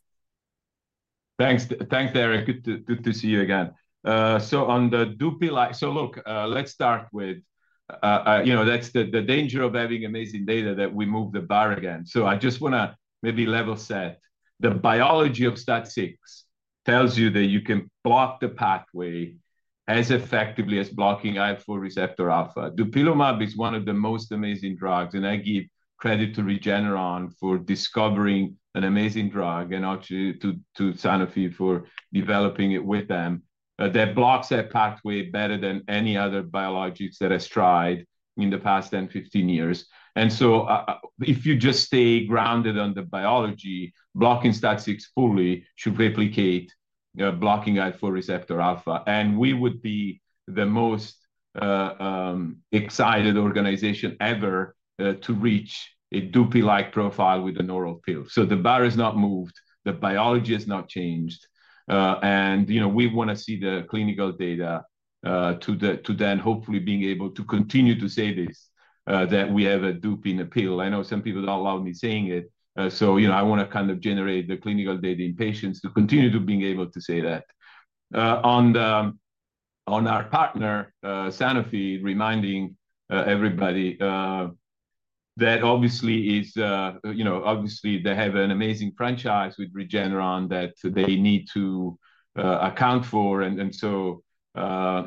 Thanks, Derek. Good to see you again. On the dupi, look, let's start with that's the danger of having amazing data that we move the bar again. I just want to maybe level set. The biology of STAT6 tells you that you can block the pathway as effectively as blocking IL-4 receptor alpha. Dupilumab is one of the most amazing drugs. I give credit to Regeneron for discovering an amazing drug and actually to Sanofi for developing it with them. That blocks that pathway better than any other biologics that has tried in the past 10-15 years. If you just stay grounded on the biology, blocking STAT6 fully should replicate blocking IL-4 receptor alpha. We would be the most excited organization ever to reach a dupi-like profile with an oral pill. The bar is not moved. The biology has not changed. We want to see the clinical data to then hopefully being able to continue to say this, that we have a dupi in a pill. I know some people do not allow me saying it. I want to kind of generate the clinical data in patients to continue to being able to say that. On our partner, Sanofi, reminding everybody that obviously they have an amazing franchise with Regeneron that they need to account for.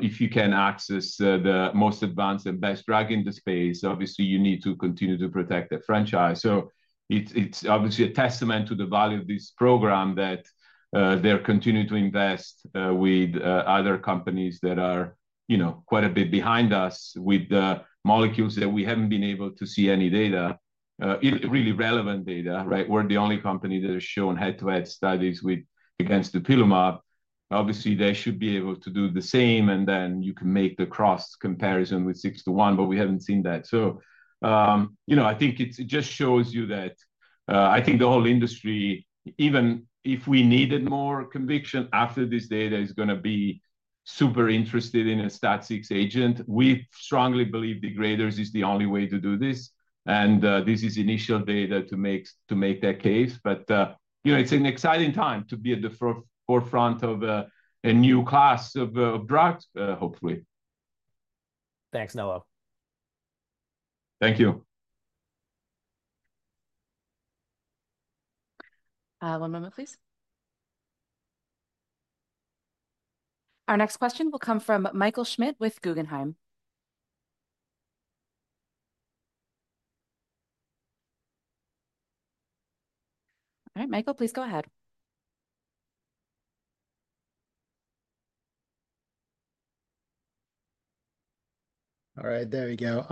If you can access the most advanced and best drug in the space, obviously, you need to continue to protect that franchise. It is obviously a testament to the value of this program that they are continuing to invest with other companies that are quite a bit behind us with the molecules that we have not been able to see any data, really relevant data, right? We're the only company that has shown head-to-head studies against dupilumab. Obviously, they should be able to do the same. You can make the cross comparison with 621, but we haven't seen that. I think it just shows you that I think the whole industry, even if we needed more conviction after this data, is going to be super interested in a STAT6 agent. We strongly believe degraders is the only way to do this, and this is initial data to make that case. It's an exciting time to be at the forefront of a new class of drugs, hopefully. Thanks, Nello. Thank you. One moment, please. Our next question will come from Michael Schmidt with Guggenheim. All right, Michael, please go ahead. All right, there we go.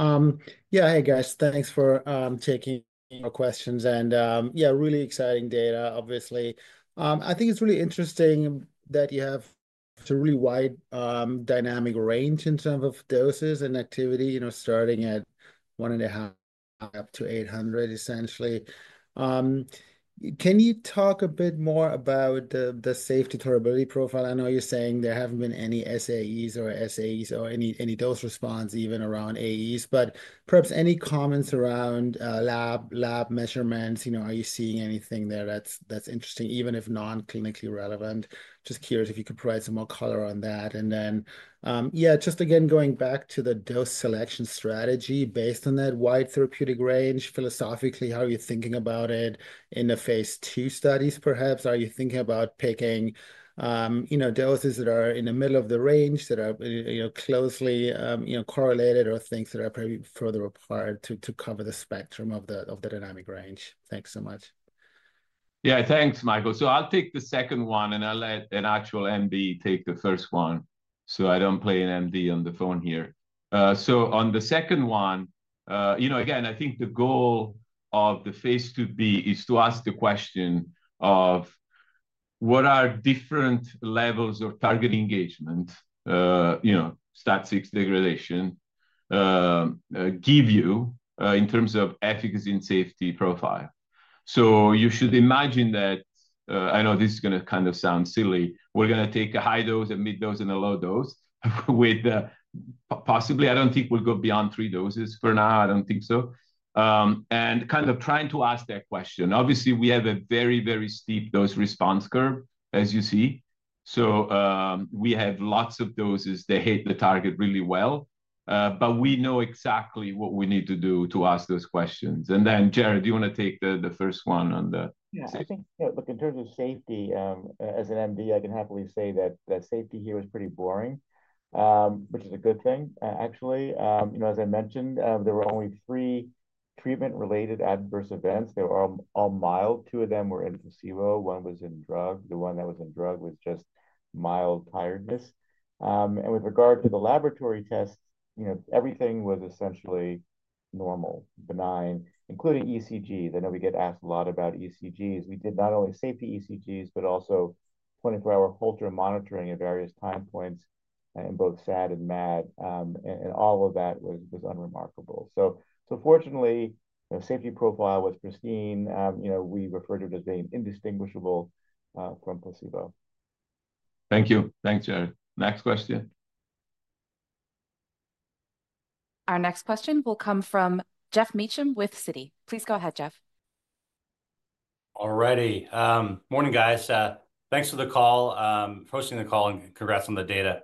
Yeah, hey, guys, thanks for taking our questions. Yeah, really exciting data, obviously. I think it's really interesting that you have a really wide dynamic range in terms of doses and activity, starting at one and a half up to 800, essentially. Can you talk a bit more about the safety tolerability profile? I know you're saying there haven't been any SAEs or SAEs or any dose response, even around AEs, but perhaps any comments around lab measurements? Are you seeing anything there that's interesting, even if non-clinically relevant? Just curious if you could provide some more color on that. Yeah, just again, going back to the dose selection strategy based on that wide therapeutic range, philosophically, how are you thinking about it in the phase II studies, perhaps? Are you thinking about picking doses that are in the middle of the range that are closely correlated or things that are probably further apart to cover the spectrum of the dynamic range? Thanks so much. Yeah, thanks, Michael. I'll take the second one, and I'll let an actual MD take the first one. I don't play an MD on the phone here. On the second one, again, I think the goal of the phase II-B is to ask the question of what are different levels of target engagement, STAT6 degradation, give you in terms of efficacy and safety profile. You should imagine that, I know this is going to kind of sound silly, we're going to take a high dose, a mid dose, and a low dose with possibly, I don't think we'll go beyond three doses for now. I don't think so. Kind of trying to ask that question. Obviously, we have a very, very steep dose response curve, as you see. We have lots of doses that hit the target really well. We know exactly what we need to do to ask those questions. Jared, do you want to take the first one on the safety? Yeah, I think, look, in terms of safety, as an MD, I can happily say that safety here is pretty boring, which is a good thing, actually. As I mentioned, there were only three treatment-related adverse events. They were all mild. Two of them were in placebo. One was in drug. The one that was in drug was just mild tiredness. With regard to the laboratory tests, everything was essentially normal, benign, including ECG. I know we get asked a lot about ECGs. We did not only safety ECGs, but also 24-hour Holter monitoring at various time points in both SAD and MAD. All of that was unremarkable. Fortunately, the safety profile was pristine. We referred to it as being indistinguishable from placebo. Thank you. Thanks, Jared. Next question. Our next question will come from Geoff Meacham with Citi. Please go ahead, Geoff. All righty. Morning, guys. Thanks for the call, hosting the call, and congrats on the data.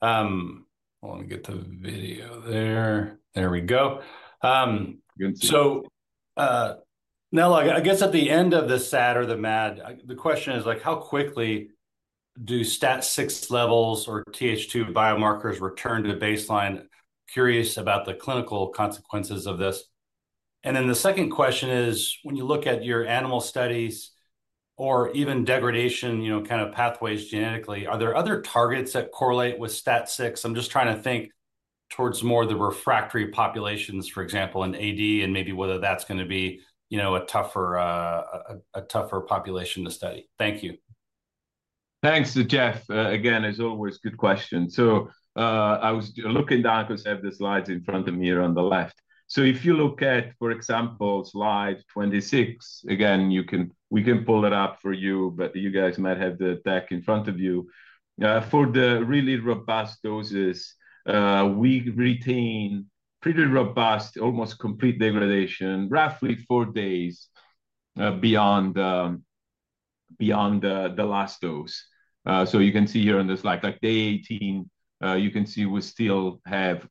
Let me get the video there. There we go. Nello, I guess at the end of the SAD or the MAD, the question is, how quickly do STAT6 levels or Th2 biomarkers return to the baseline? Curious about the clinical consequences of this. The second question is, when you look at your animal studies or even degradation kind of pathways genetically, are there other targets that correlate with STAT6? I'm just trying to think towards more of the refractory populations, for example, in AD, and maybe whether that's going to be a tougher population to study. Thank you. Thanks, Geoff. Again, as always, good question. I was looking down because I have the slides in front of me here on the left. If you look at, for example, slide 26, we can pull it up for you, but you guys might have the deck in front of you. For the really robust doses, we retain pretty robust, almost complete degradation, roughly four days beyond the last dose. You can see here on the slide, day 18, you can see we still have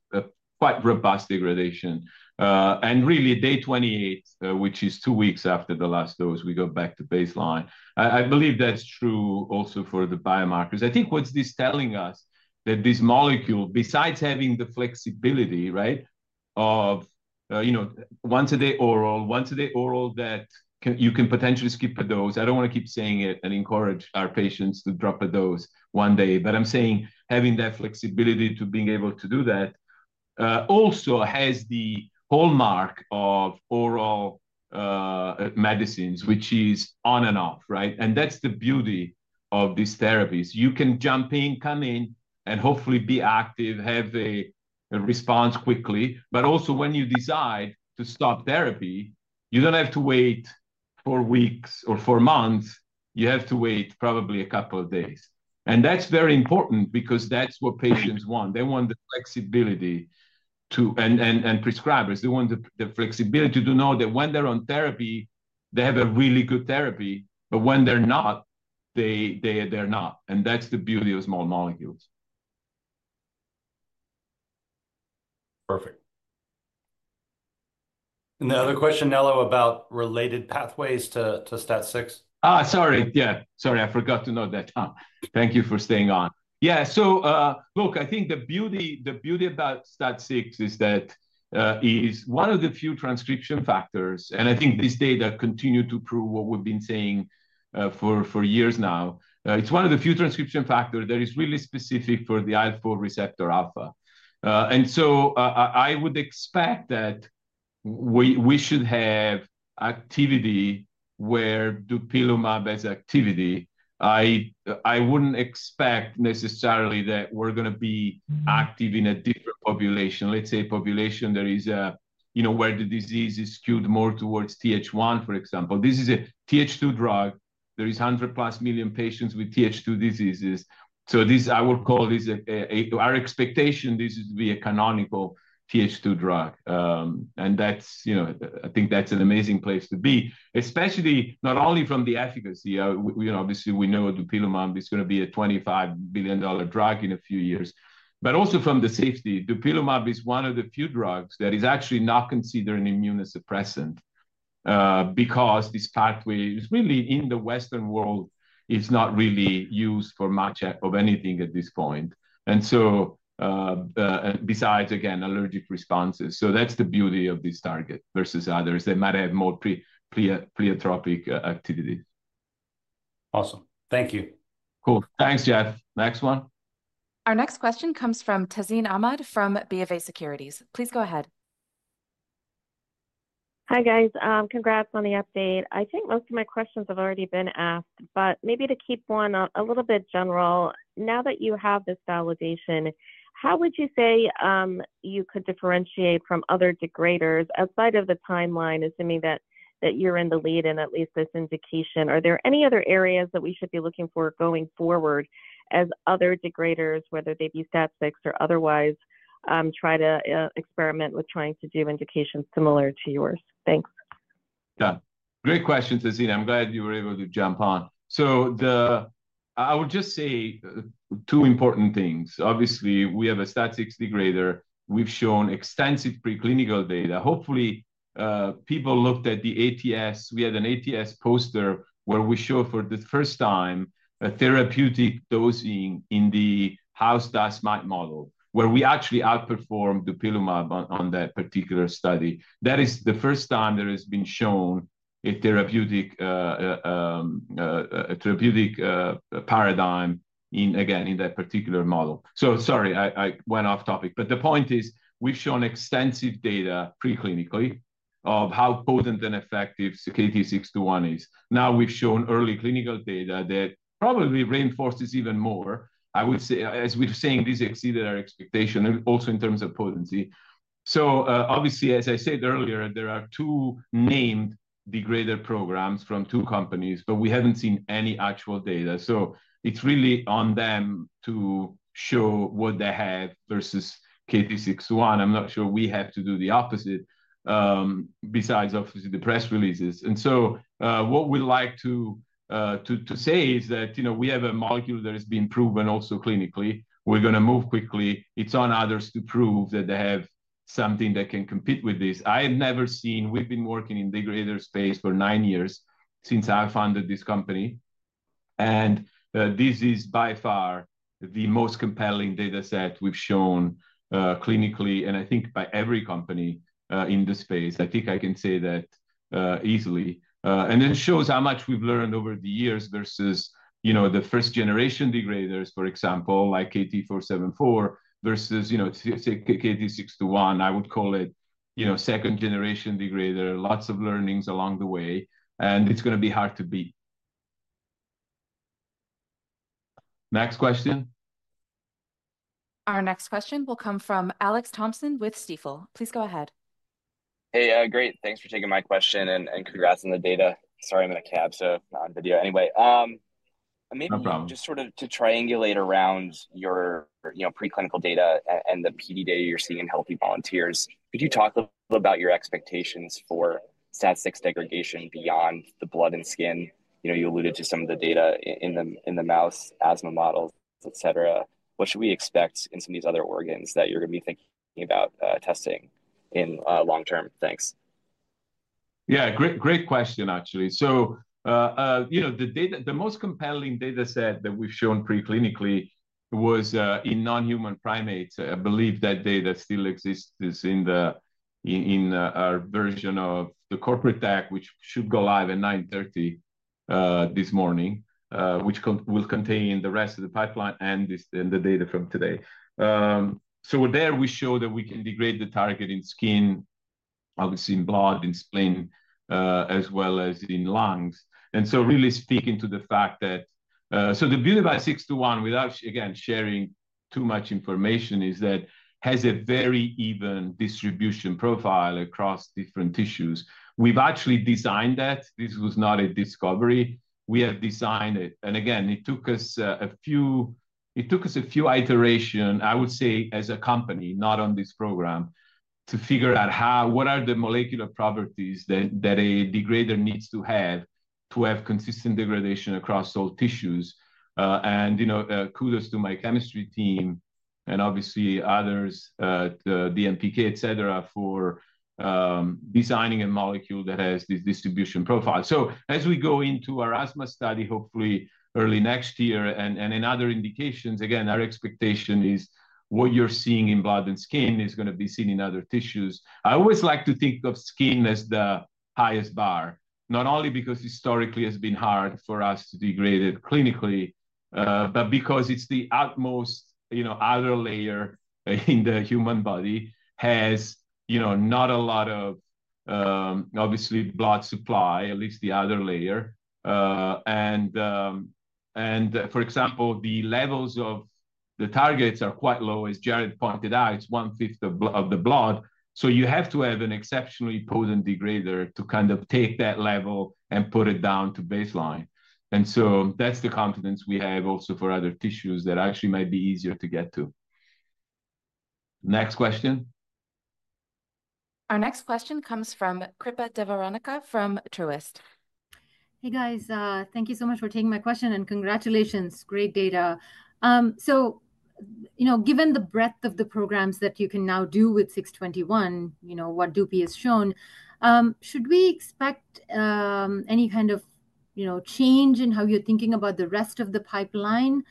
quite robust degradation. Really, day 28, which is two weeks after the last dose, we go back to baseline. I believe that's true also for the biomarkers. I think what's this telling us? That this molecule, besides having the flexibility, right, of once-a-day oral, once-a-day oral that you can potentially skip a dose, I do not want to keep saying it and encourage our patients to drop a dose one day. I am saying having that flexibility to being able to do that also has the hallmark of oral medicines, which is on and off, right? That is the beauty of these therapies. You can jump in, come in, and hopefully be active, have a response quickly. When you decide to stop therapy, you do not have to wait four weeks or four months. You have to wait probably a couple of days. That is very important because that is what patients want. They want the flexibility to, and prescribers. They want the flexibility to know that when they are on therapy, they have a really good therapy. When they are not, they are not. That is the beauty of small molecules. Perfect. The other question, Nello, about related pathways to STAT6. Oh, sorry. Yeah. Sorry, I forgot to note that. Thank you for staying on. Yeah. I think the beauty about STAT6 is that it is one of the few transcription factors. I think this data continue to prove what we've been saying for years now. It's one of the few transcription factors that is really specific for the IL-4 receptor alpha. I would expect that we should have activity where dupilumab has activity. I wouldn't expect necessarily that we're going to be active in a different population, let's say a population where the disease is skewed more towards Th1, for example. This is a Th2 drug. There are 100+ million plus patients with Th2 diseases. I would call this our expectation, this is to be a canonical Th2 drug. I think that's an amazing place to be, especially not only from the efficacy. Obviously, we know dupilumab is going to be a $25 billion drug in a few years. Also from the safety, dupilumab is one of the few drugs that is actually not considered an immunosuppressant because this pathway is really in the Western world, it's not really used for much of anything at this point. Besides, again, allergic responses. That's the beauty of this target versus others. They might have more pleiotropic activity. Awesome. Thank you. Cool. Thanks, Geoff. Next one. Our next question comes from Tazeen Ahmad from BofA Securities. Please go ahead. Hi, guys. Congrats on the update. I think most of my questions have already been asked. Maybe to keep one a little bit general, now that you have this validation, how would you say you could differentiate from other degraders outside of the timeline, assuming that you're in the lead in at least this indication? Are there any other areas that we should be looking for going forward as other degraders, whether they be STAT6 or otherwise, try to experiment with trying to do indications similar to yours? Thanks. Yeah. Great question, Tazeen. I'm glad you were able to jump on. I would just say two important things. Obviously, we have a STAT6 degrader. We've shown extensive preclinical data. Hopefully, people looked at the ATS. We had an ATS poster where we show for the first time a therapeutic dosing in the house dust mite model, where we actually outperformed dupilumab on that particular study. That is the first time there has been shown a therapeutic paradigm, again, in that particular model. Sorry, I went off topic. The point is, we've shown extensive data preclinically of how potent and effective KT-621 is. Now we've shown early clinical data that probably reinforces even more. I would say, as we're saying, this exceeded our expectation, also in terms of potency. Obviously, as I said earlier, there are two named degrader programs from two companies, but we have not seen any actual data. It is really on them to show what they have versus KT-621. I am not sure we have to do the opposite besides, obviously, the press releases. What we would like to say is that we have a molecule that has been proven also clinically. We are going to move quickly. It is on others to prove that they have something that can compete with this. I have never seen—we have been working in the degrader space for nine years since I founded this company. This is by far the most compelling data set we have shown clinically, and I think by every company in the space. I think I can say that easily. It shows how much we've learned over the years versus the first-generation degraders, for example, like KT-474 versus KT-621. I would call it 2nd generation degrader. Lots of learnings along the way. It's going to be hard to beat. Next question. Our next question will come from Alex Thompson with Stifel. Please go ahead. Hey, great. Thanks for taking my question and congrats on the data. Sorry, I'm in a cab, so not on video. Anyway. No problem. Just sort of to triangulate around your preclinical data and the PD data you're seeing in healthy volunteers, could you talk a little bit about your expectations for STAT6 degradation beyond the blood and skin? You alluded to some of the data in the mouse asthma models, etc. What should we expect in some of these other organs that you're going to be thinking about testing in long term? Thanks. Yeah, great question, actually. The most compelling data set that we've shown preclinically was in non-human primates. I believe that data still exists in our version of the corporate deck, which should go live at 9:30 A.M. this morning, which will contain the rest of the pipeline and the data from today. There, we show that we can degrade the target in skin, obviously in blood, in spleen, as well as in lungs. Really speaking to the fact that the beauty about KT-621, without, again, sharing too much information, is that it has a very even distribution profile across different tissues. We've actually designed that. This was not a discovery. We have designed it. It took us a few iterations, I would say, as a company, not on this program, to figure out what are the molecular properties that a degrader needs to have to have consistent degradation across all tissues. Kudos to my chemistry team and obviously others, DNPK, etc., for designing a molecule that has this distribution profile. As we go into our asthma study, hopefully early next year and in other indications, our expectation is what you are seeing in blood and skin is going to be seen in other tissues. I always like to think of skin as the highest bar, not only because historically it has been hard for us to degrade it clinically, but because it is the outermost outer layer in the human body, has not a lot of, obviously, blood supply, at least the outer layer. For example, the levels of the targets are quite low. As Jared pointed out, it is 1/5 of the blood. You have to have an exceptionally potent degrader to kind of take that level and put it down to baseline. That is the confidence we have also for other tissues that actually might be easier to get to. Next question. Our next question comes from Kripa Devarakonda from Truist. Hey, guys. Thank you so much for taking my question and congratulations. Great data. Given the breadth of the programs that you can now do with 621, what dupilumab has shown, should we expect any kind of change in how you're thinking about the rest of the pipeline,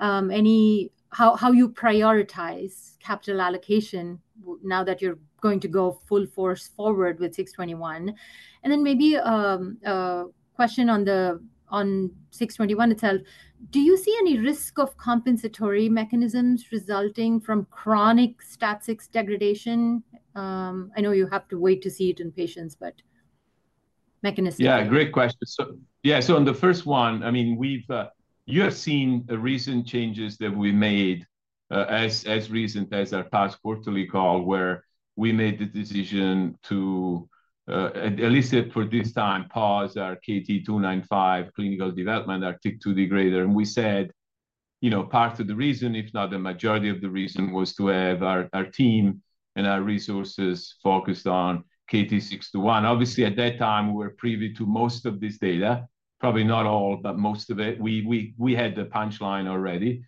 how you prioritize capital allocation now that you're going to go full force forward with 621? Maybe a question on 621 itself. Do you see any risk of compensatory mechanisms resulting from chronic STAT6 degradation? I know you have to wait to see it in patients, but mechanism. Yeah, great question. Yeah. On the first one, I mean, you have seen recent changes that we made as recent as our past quarterly call, where we made the decision to, at least for this time, pause our KT-295 clinical development, our TYK2 degrader. We said part of the reason, if not the majority of the reason, was to have our team and our resources focused on KT-621. Obviously, at that time, we were privy to most of this data, probably not all, but most of it. We had the punchline already.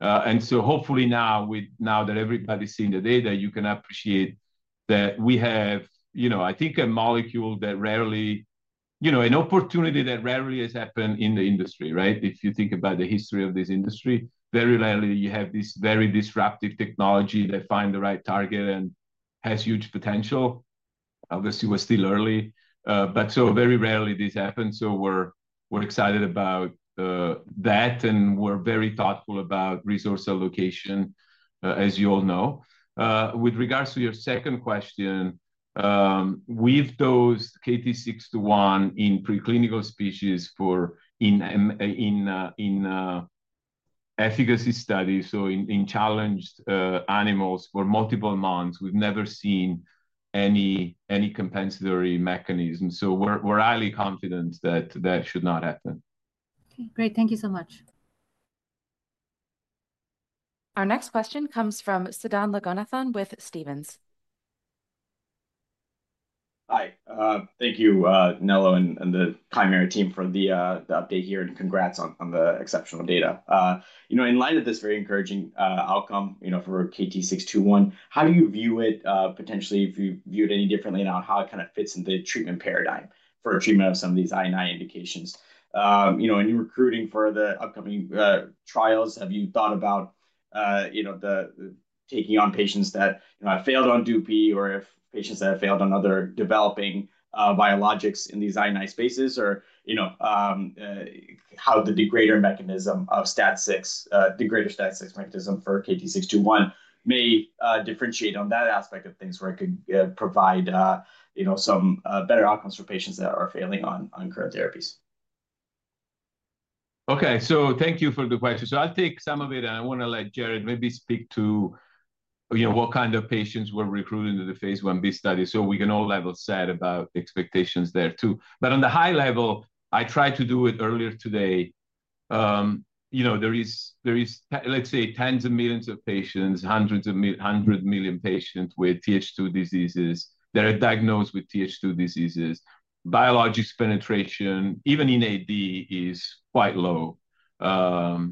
Hopefully now that everybody's seen the data, you can appreciate that we have, I think, a molecule that rarely, an opportunity that rarely has happened in the industry, right? If you think about the history of this industry, very rarely you have this very disruptive technology that finds the right target and has huge potential. Obviously, we're still early. But so very rarely this happens. We're excited about that. We're very thoughtful about resource allocation, as you all know. With regards to your second question, we've dosed KT-621 in preclinical species for efficacy studies, in challenged animals for multiple months. We've never seen any compensatory mechanism. We're highly confident that that should not happen. Okay. Great. Thank you so much. Our next question comes from Sudan Loganathan with Stephens. Hi. Thank you, Nello and the primary team for the update here. Congrats on the exceptional data. In light of this very encouraging outcome for KT-621, how do you view it potentially, if you view it any differently now, how it kind of fits in the treatment paradigm for treatment of some of these INI indications? In recruiting for the upcoming trials, have you thought about taking on patients that have failed on DUPI or patients that have failed on other developing biologics in these INI spaces? How the degrader mechanism of STAT6 degrader, STAT6 mechanism for KT-621, may differentiate on that aspect of things where it could provide some better outcomes for patients that are failing on current therapies? Okay. Thank you for the question. I'll take some of it. I want to let Jared maybe speak to what kind of patients we're recruiting to the phase I-B study. We can all level set about expectations there too. At a high level, I tried to do it earlier today. There are, let's say, tens of millions of patients, hundreds of million patients with Th2 diseases that are diagnosed with Th2 diseases. Biologics penetration, even in AD, is quite low. I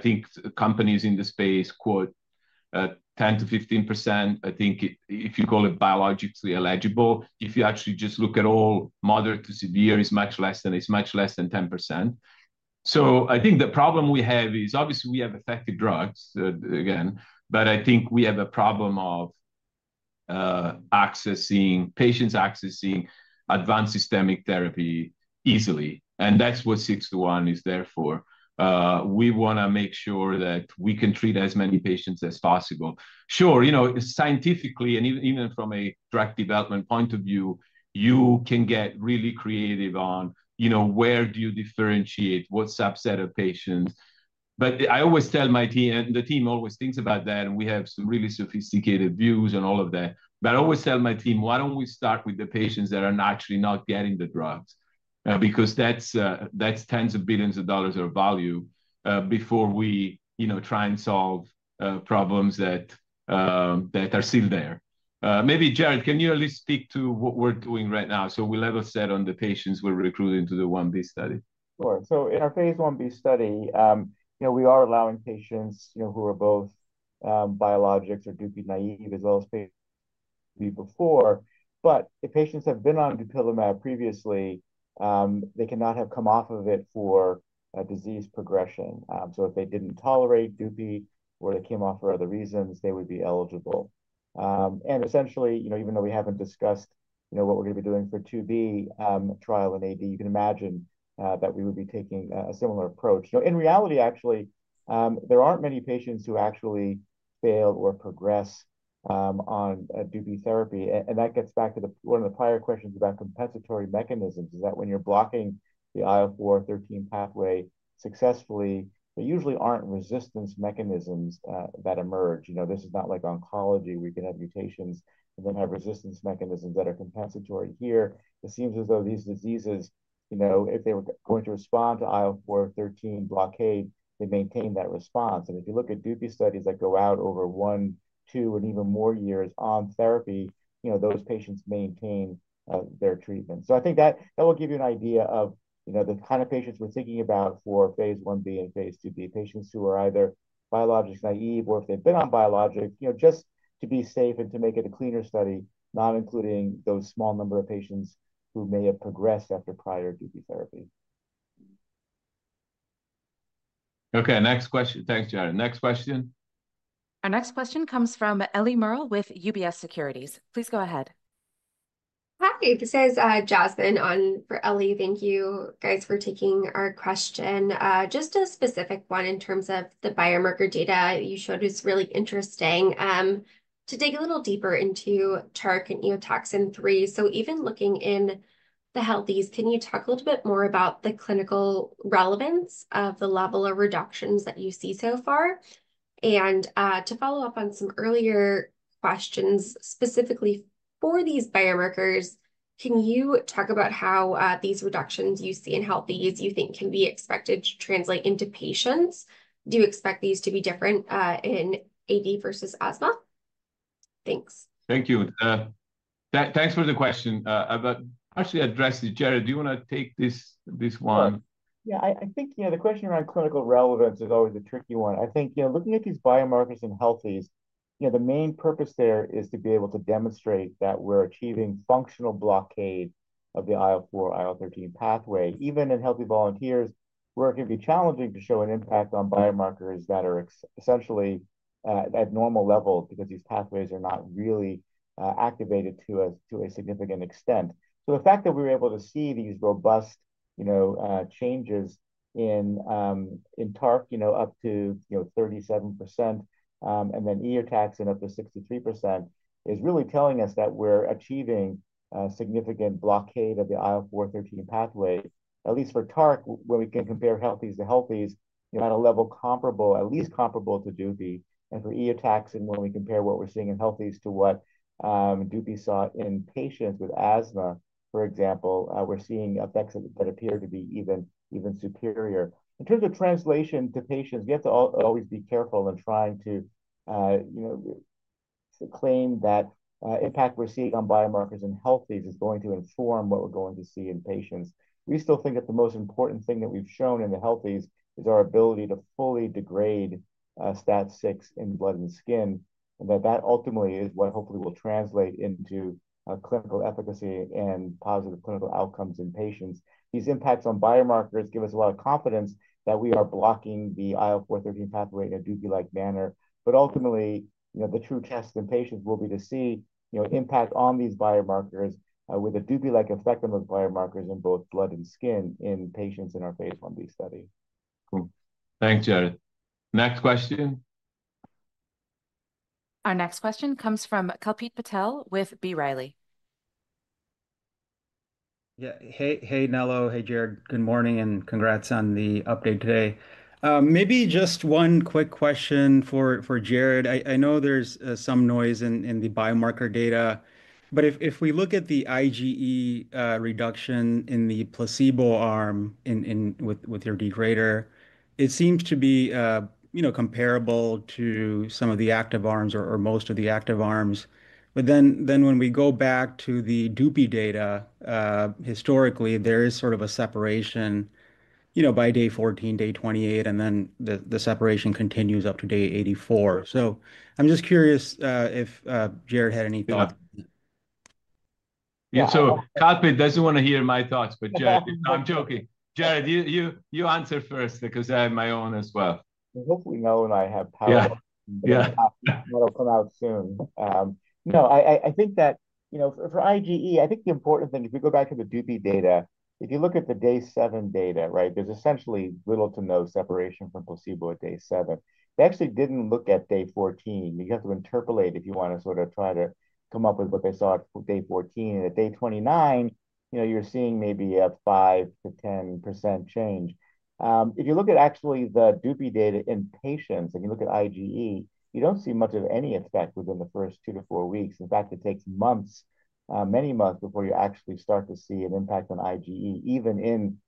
think companies in the space quote 10%-15%. I think if you call it biologically eligible, if you actually just look at all moderate to severe, it's much less than 10%. I think the problem we have is, obviously, we have effective drugs, again. I think we have a problem of patients accessing advanced systemic therapy easily. That is what 621 is there for. We want to make sure that we can treat as many patients as possible. Sure, scientifically and even from a drug development point of view, you can get really creative on where you differentiate what subset of patients. I always tell my team, and the team always thinks about that. We have some really sophisticated views and all of that. I always tell my team, why do we not start with the patients that are actually not getting the drugs? That is tens of billions of dollars of value before we try and solve problems that are still there. Maybe Jared, can you at least speak to what we are doing right now? We level set on the patients we are recruiting to the I-B study. Sure. In our phase I-B study, we are allowing patients who are both biologics or DUPI naive as well as patients before. If patients have been on dupilumab previously, they cannot have come off of it for disease progression. If they did not tolerate DUPI or they came off for other reasons, they would be eligible. Essentially, even though we have not discussed what we are going to be doing for II-B trial in AD, you can imagine that we would be taking a similar approach. In reality, actually, there are not many patients who actually fail or progress on DUPI therapy. That gets back to one of the prior questions about compensatory mechanisms, is that when you are blocking the IL-4/IL-13 pathway successfully, there usually are not resistance mechanisms that emerge. This is not like oncology. We can have mutations and then have resistance mechanisms that are compensatory here. It seems as though these diseases, if they were going to respond to IL-4/IL-13 blockade, they maintain that response. If you look at DUPI studies that go out over one, two, and even more years on therapy, those patients maintain their treatment. I think that will give you an idea of the kind of patients we're thinking about for phase I-B and phase II-B, patients who are either biologics naive or if they've been on biologics, just to be safe and to make it a cleaner study, not including those small number of patients who may have progressed after prior DUPI therapy. Okay. Next question. Thanks, Jared. Next question. Our next question comes from Ellie Merle with UBS Securities. Please go ahead. Hi. This is Jasmine for Ellie. Thank you, guys, for taking our question. Just a specific one in terms of the biomarker data you showed is really interesting. To dig a little deeper into TARC and Eotaxin-3, so even looking in the healthies, can you talk a little bit more about the clinical relevance of the level of reductions that you see so far? To follow up on some earlier questions, specifically for these biomarkers, can you talk about how these reductions you see in healthies, you think, can be expected to translate into patients? Do you expect these to be different in AD versus asthma? Thanks. Thank you. Thanks for the question. I've actually addressed it. Jared, do you want to take this one? Yeah. I think the question around clinical relevance is always a tricky one. I think looking at these biomarkers in healthies, the main purpose there is to be able to demonstrate that we're achieving functional blockade of the IL-4, IL-13 pathway. Even in healthy volunteers, where it can be challenging to show an impact on biomarkers that are essentially at normal levels because these pathways are not really activated to a significant extent. The fact that we were able to see these robust changes in TARC up to 37% and then Eotaxin up to 63% is really telling us that we're achieving significant blockade of the IL-4, IL-13 pathway. At least for TARC, when we can compare healthies to healthies, at a level comparable, at least comparable to dupilumab. For Eotaxin, when we compare what we're seeing in healthies to what dupilumab saw in patients with asthma, for example, we're seeing effects that appear to be even superior. In terms of translation to patients, we have to always be careful in trying to claim that impact we're seeing on biomarkers in healthies is going to inform what we're going to see in patients. We still think that the most important thing that we've shown in the healthies is our ability to fully degrade STAT6 in blood and skin. That ultimately is what hopefully will translate into clinical efficacy and positive clinical outcomes in patients. These impacts on biomarkers give us a lot of confidence that we are blocking the IL-4/IL-13 pathway in a dupilumab-like manner. Ultimately, the true test in patients will be to see impact on these biomarkers with a DUPI-like effect on those biomarkers in both blood and skin in patients in our phase I-B study. Cool. Thanks, Jared. Next question. Our next question comes from Kalpit Patel with B. Riley. Yeah. Hey, Nello. Hey, Jared. Good morning. And congrats on the update today. Maybe just one quick question for Jared. I know there's some noise in the biomarker data. But if we look at the IgE reduction in the placebo arm with your degrader, it seems to be comparable to some of the active arms or most of the active arms. But then when we go back to the dupilumab data, historically, there is sort of a separation by day 14, day 28. And then the separation continues up to day 84. So I'm just curious if Jared had any thoughts. Yeah. Kalpit does not want to hear my thoughts. Jared, I am joking. Jared, you answer first because I have my own as well. Hopefully, Nello and I have power. That'll come out soon. No, I think that for IgE, I think the important thing, if we go back to the DUPI data, if you look at the day 7 data, right, there's essentially little to no separation from placebo at day 7. They actually didn't look at day 14. You have to interpolate if you want to sort of try to come up with what they saw at day 14. At day 29, you're seeing maybe a 5%-10% change. If you look at actually the DUPI data in patients and you look at IgE, you don't see much of any effect within the first two to four weeks. In fact, it takes months, many months, before you actually start to see an impact on IgE, even in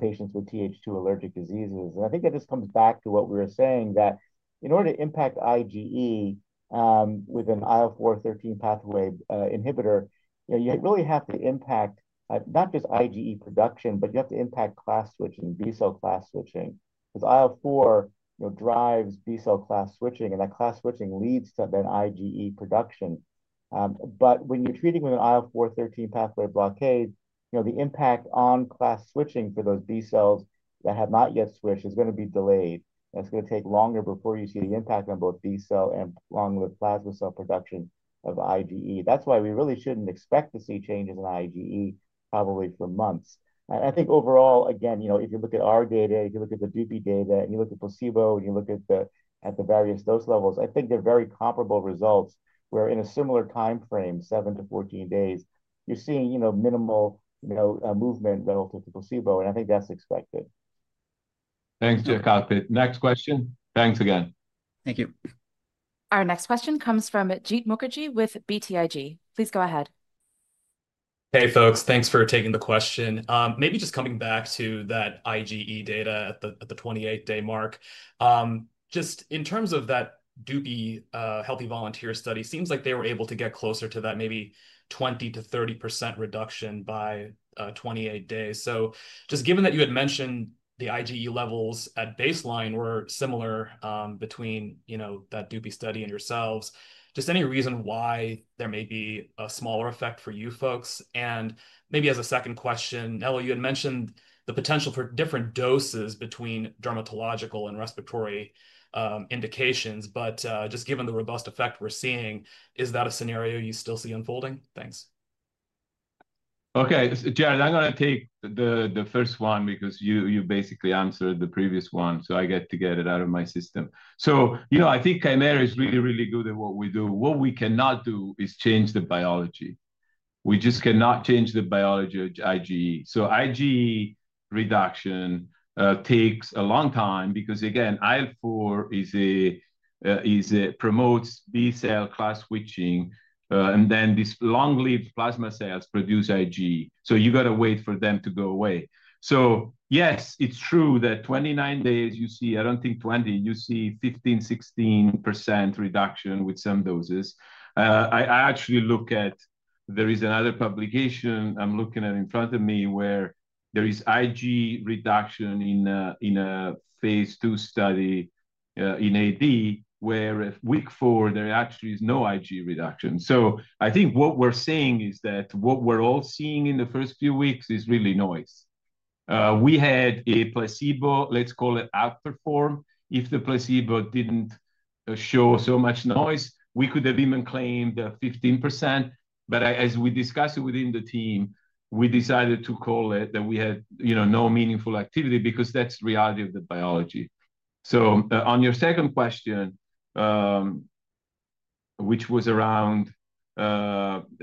patients with Th2 allergic diseases. I think that just comes back to what we were saying, that in order to impact IgE with an IL-4/IL-13 pathway inhibitor, you really have to impact not just IgE production, but you have to impact class switching, B-cell class switching. Because IL-4 drives B-cell class switching. That class switching leads to then IgE production. When you're treating with an IL-4/IL-13 pathway blockade, the impact on class switching for those B cells that have not yet switched is going to be delayed. That is going to take longer before you see the impact on both B cell and along with plasma cell production of IgE. That is why we really should not expect to see changes in IgE probably for months. I think overall, again, if you look at our data, if you look at the DUPI data, and you look at placebo, and you look at the various dose levels, I think they're very comparable results where in a similar time frame, 7-14 days, you're seeing minimal movement relative to placebo. I think that's expected. Thanks, Kalpit. Next question. Thanks again. Thank you. Our next question comes from Jeet Mukherjee with BTIG. Please go ahead. Hey, folks. Thanks for taking the question. Maybe just coming back to that IgE data at the 28-day mark. Just in terms of that DUPI healthy volunteer study, it seems like they were able to get closer to that maybe 20%-30% reduction by 28 days. Just given that you had mentioned the IgE levels at baseline were similar between that DUPI study and yourselves, just any reason why there may be a smaller effect for you folks? Maybe as a second question, Nello, you had mentioned the potential for different doses between dermatological and respiratory indications. Just given the robust effect we're seeing, is that a scenario you still see unfolding? Thanks. Okay. Jared, I'm going to take the first one because you basically answered the previous one. I get to get it out of my system. I think Kymera is really, really good at what we do. What we cannot do is change the biology. We just cannot change the biology of IgE. IgE reduction takes a long time because, again, IL-4 promotes B-cell class switching. Then these long-lived plasma cells produce IgE. You have to wait for them to go away. Yes, it's true that 29 days, you see, I don't think 20, you see 15%-16% reduction with some doses. I actually look at, there is another publication I'm looking at in front of me where there is IgE reduction in a phase II study in AD where week four, there actually is no IgE reduction. I think what we're saying is that what we're all seeing in the first few weeks is really noise. We had a placebo, let's call it after form. If the placebo didn't show so much noise, we could have even claimed 15%. As we discussed it within the team, we decided to call it that we had no meaningful activity because that's the reality of the biology. On your second question, which was around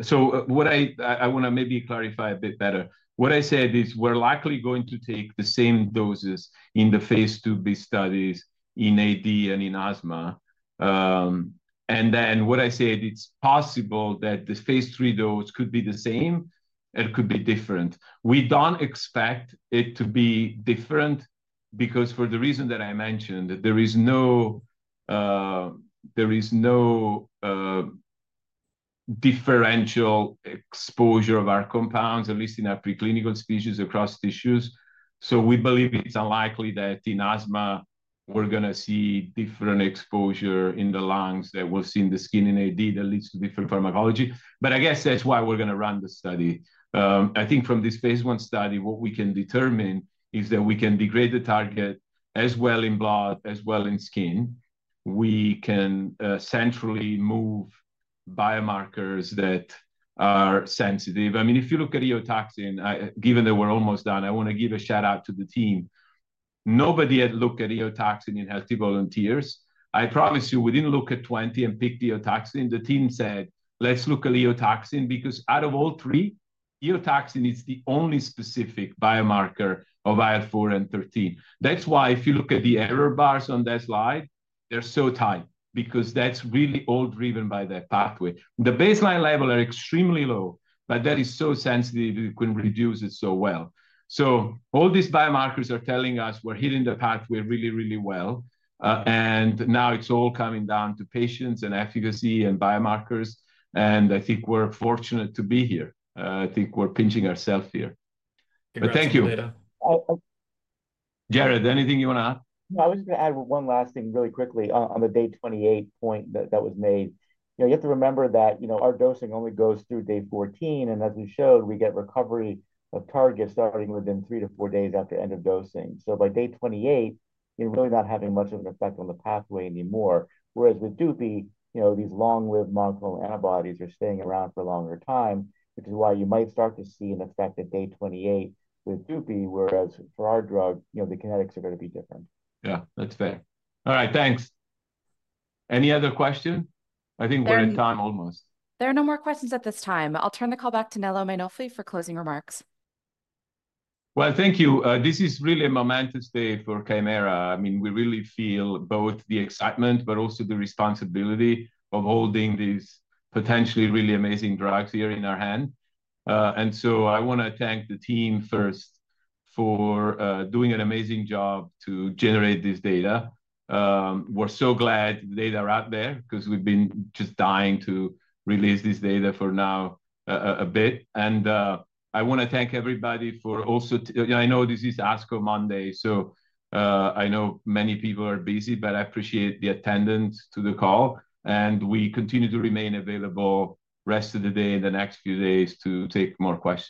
so what I want to maybe clarify a bit better, what I said is we're likely going to take the same doses in the phase II-B studies in AD and in asthma. What I said, it's possible that the phase III dose could be the same. It could be different. We do not expect it to be different because for the reason that I mentioned, there is no differential exposure of our compounds, at least in our preclinical species across tissues. We believe it is unlikely that in asthma, we are going to see different exposure in the lungs than we will see in the skin in AD that leads to different pharmacology. I guess that is why we are going to run the study. I think from this phaseI study, what we can determine is that we can degrade the target as well in blood, as well in skin. We can centrally move biomarkers that are sensitive. I mean, if you look at Eotaxin, given that we are almost done, I want to give a shout-out to the team. Nobody had looked at Eotaxin in healthy volunteers. I promise you, we did not look at 20 and pick Eotaxin. The team said, let's look at Eotaxin because out of all three, Eotaxin is the only specific biomarker of IL-4 and IL-13. That's why if you look at the error bars on that slide, they're so tight because that's really all driven by that pathway. The baseline level is extremely low, but that is so sensitive. You can reduce it so well. All these biomarkers are telling us we're hitting the pathway really, really well. Now it's all coming down to patients and efficacy and biomarkers. I think we're fortunate to be here. I think we're pinching ourselves here. Thank you. Jared, anything you want to add? I was just going to add one last thing really quickly on the day 28 point that was made. You have to remember that our dosing only goes through day 14. And as we showed, we get recovery of target starting within three to four days after end of dosing. So by day 28, you're really not having much of an effect on the pathway anymore. Whereas with DUPI, these long-lived monoclonal antibodies are staying around for a longer time, which is why you might start to see an effect at day 28 with DUPI, whereas for our drug, the kinetics are going to be different. Yeah. That's fair. All right. Thanks. Any other question? I think we're in time almost. There are no more questions at this time. I'll turn the call back to Nello Mainolfi for closing remarks. Thank you. This is really a momentous day for Kymera. I mean, we really feel both the excitement but also the responsibility of holding these potentially really amazing drugs here in our hand. I want to thank the team first for doing an amazing job to generate this data. We're so glad the data are out there because we've been just dying to release this data for now a bit. I want to thank everybody for also I know this is ASCO Monday. I know many people are busy, but I appreciate the attendance to the call. We continue to remain available the rest of the day and the next few days to take more questions.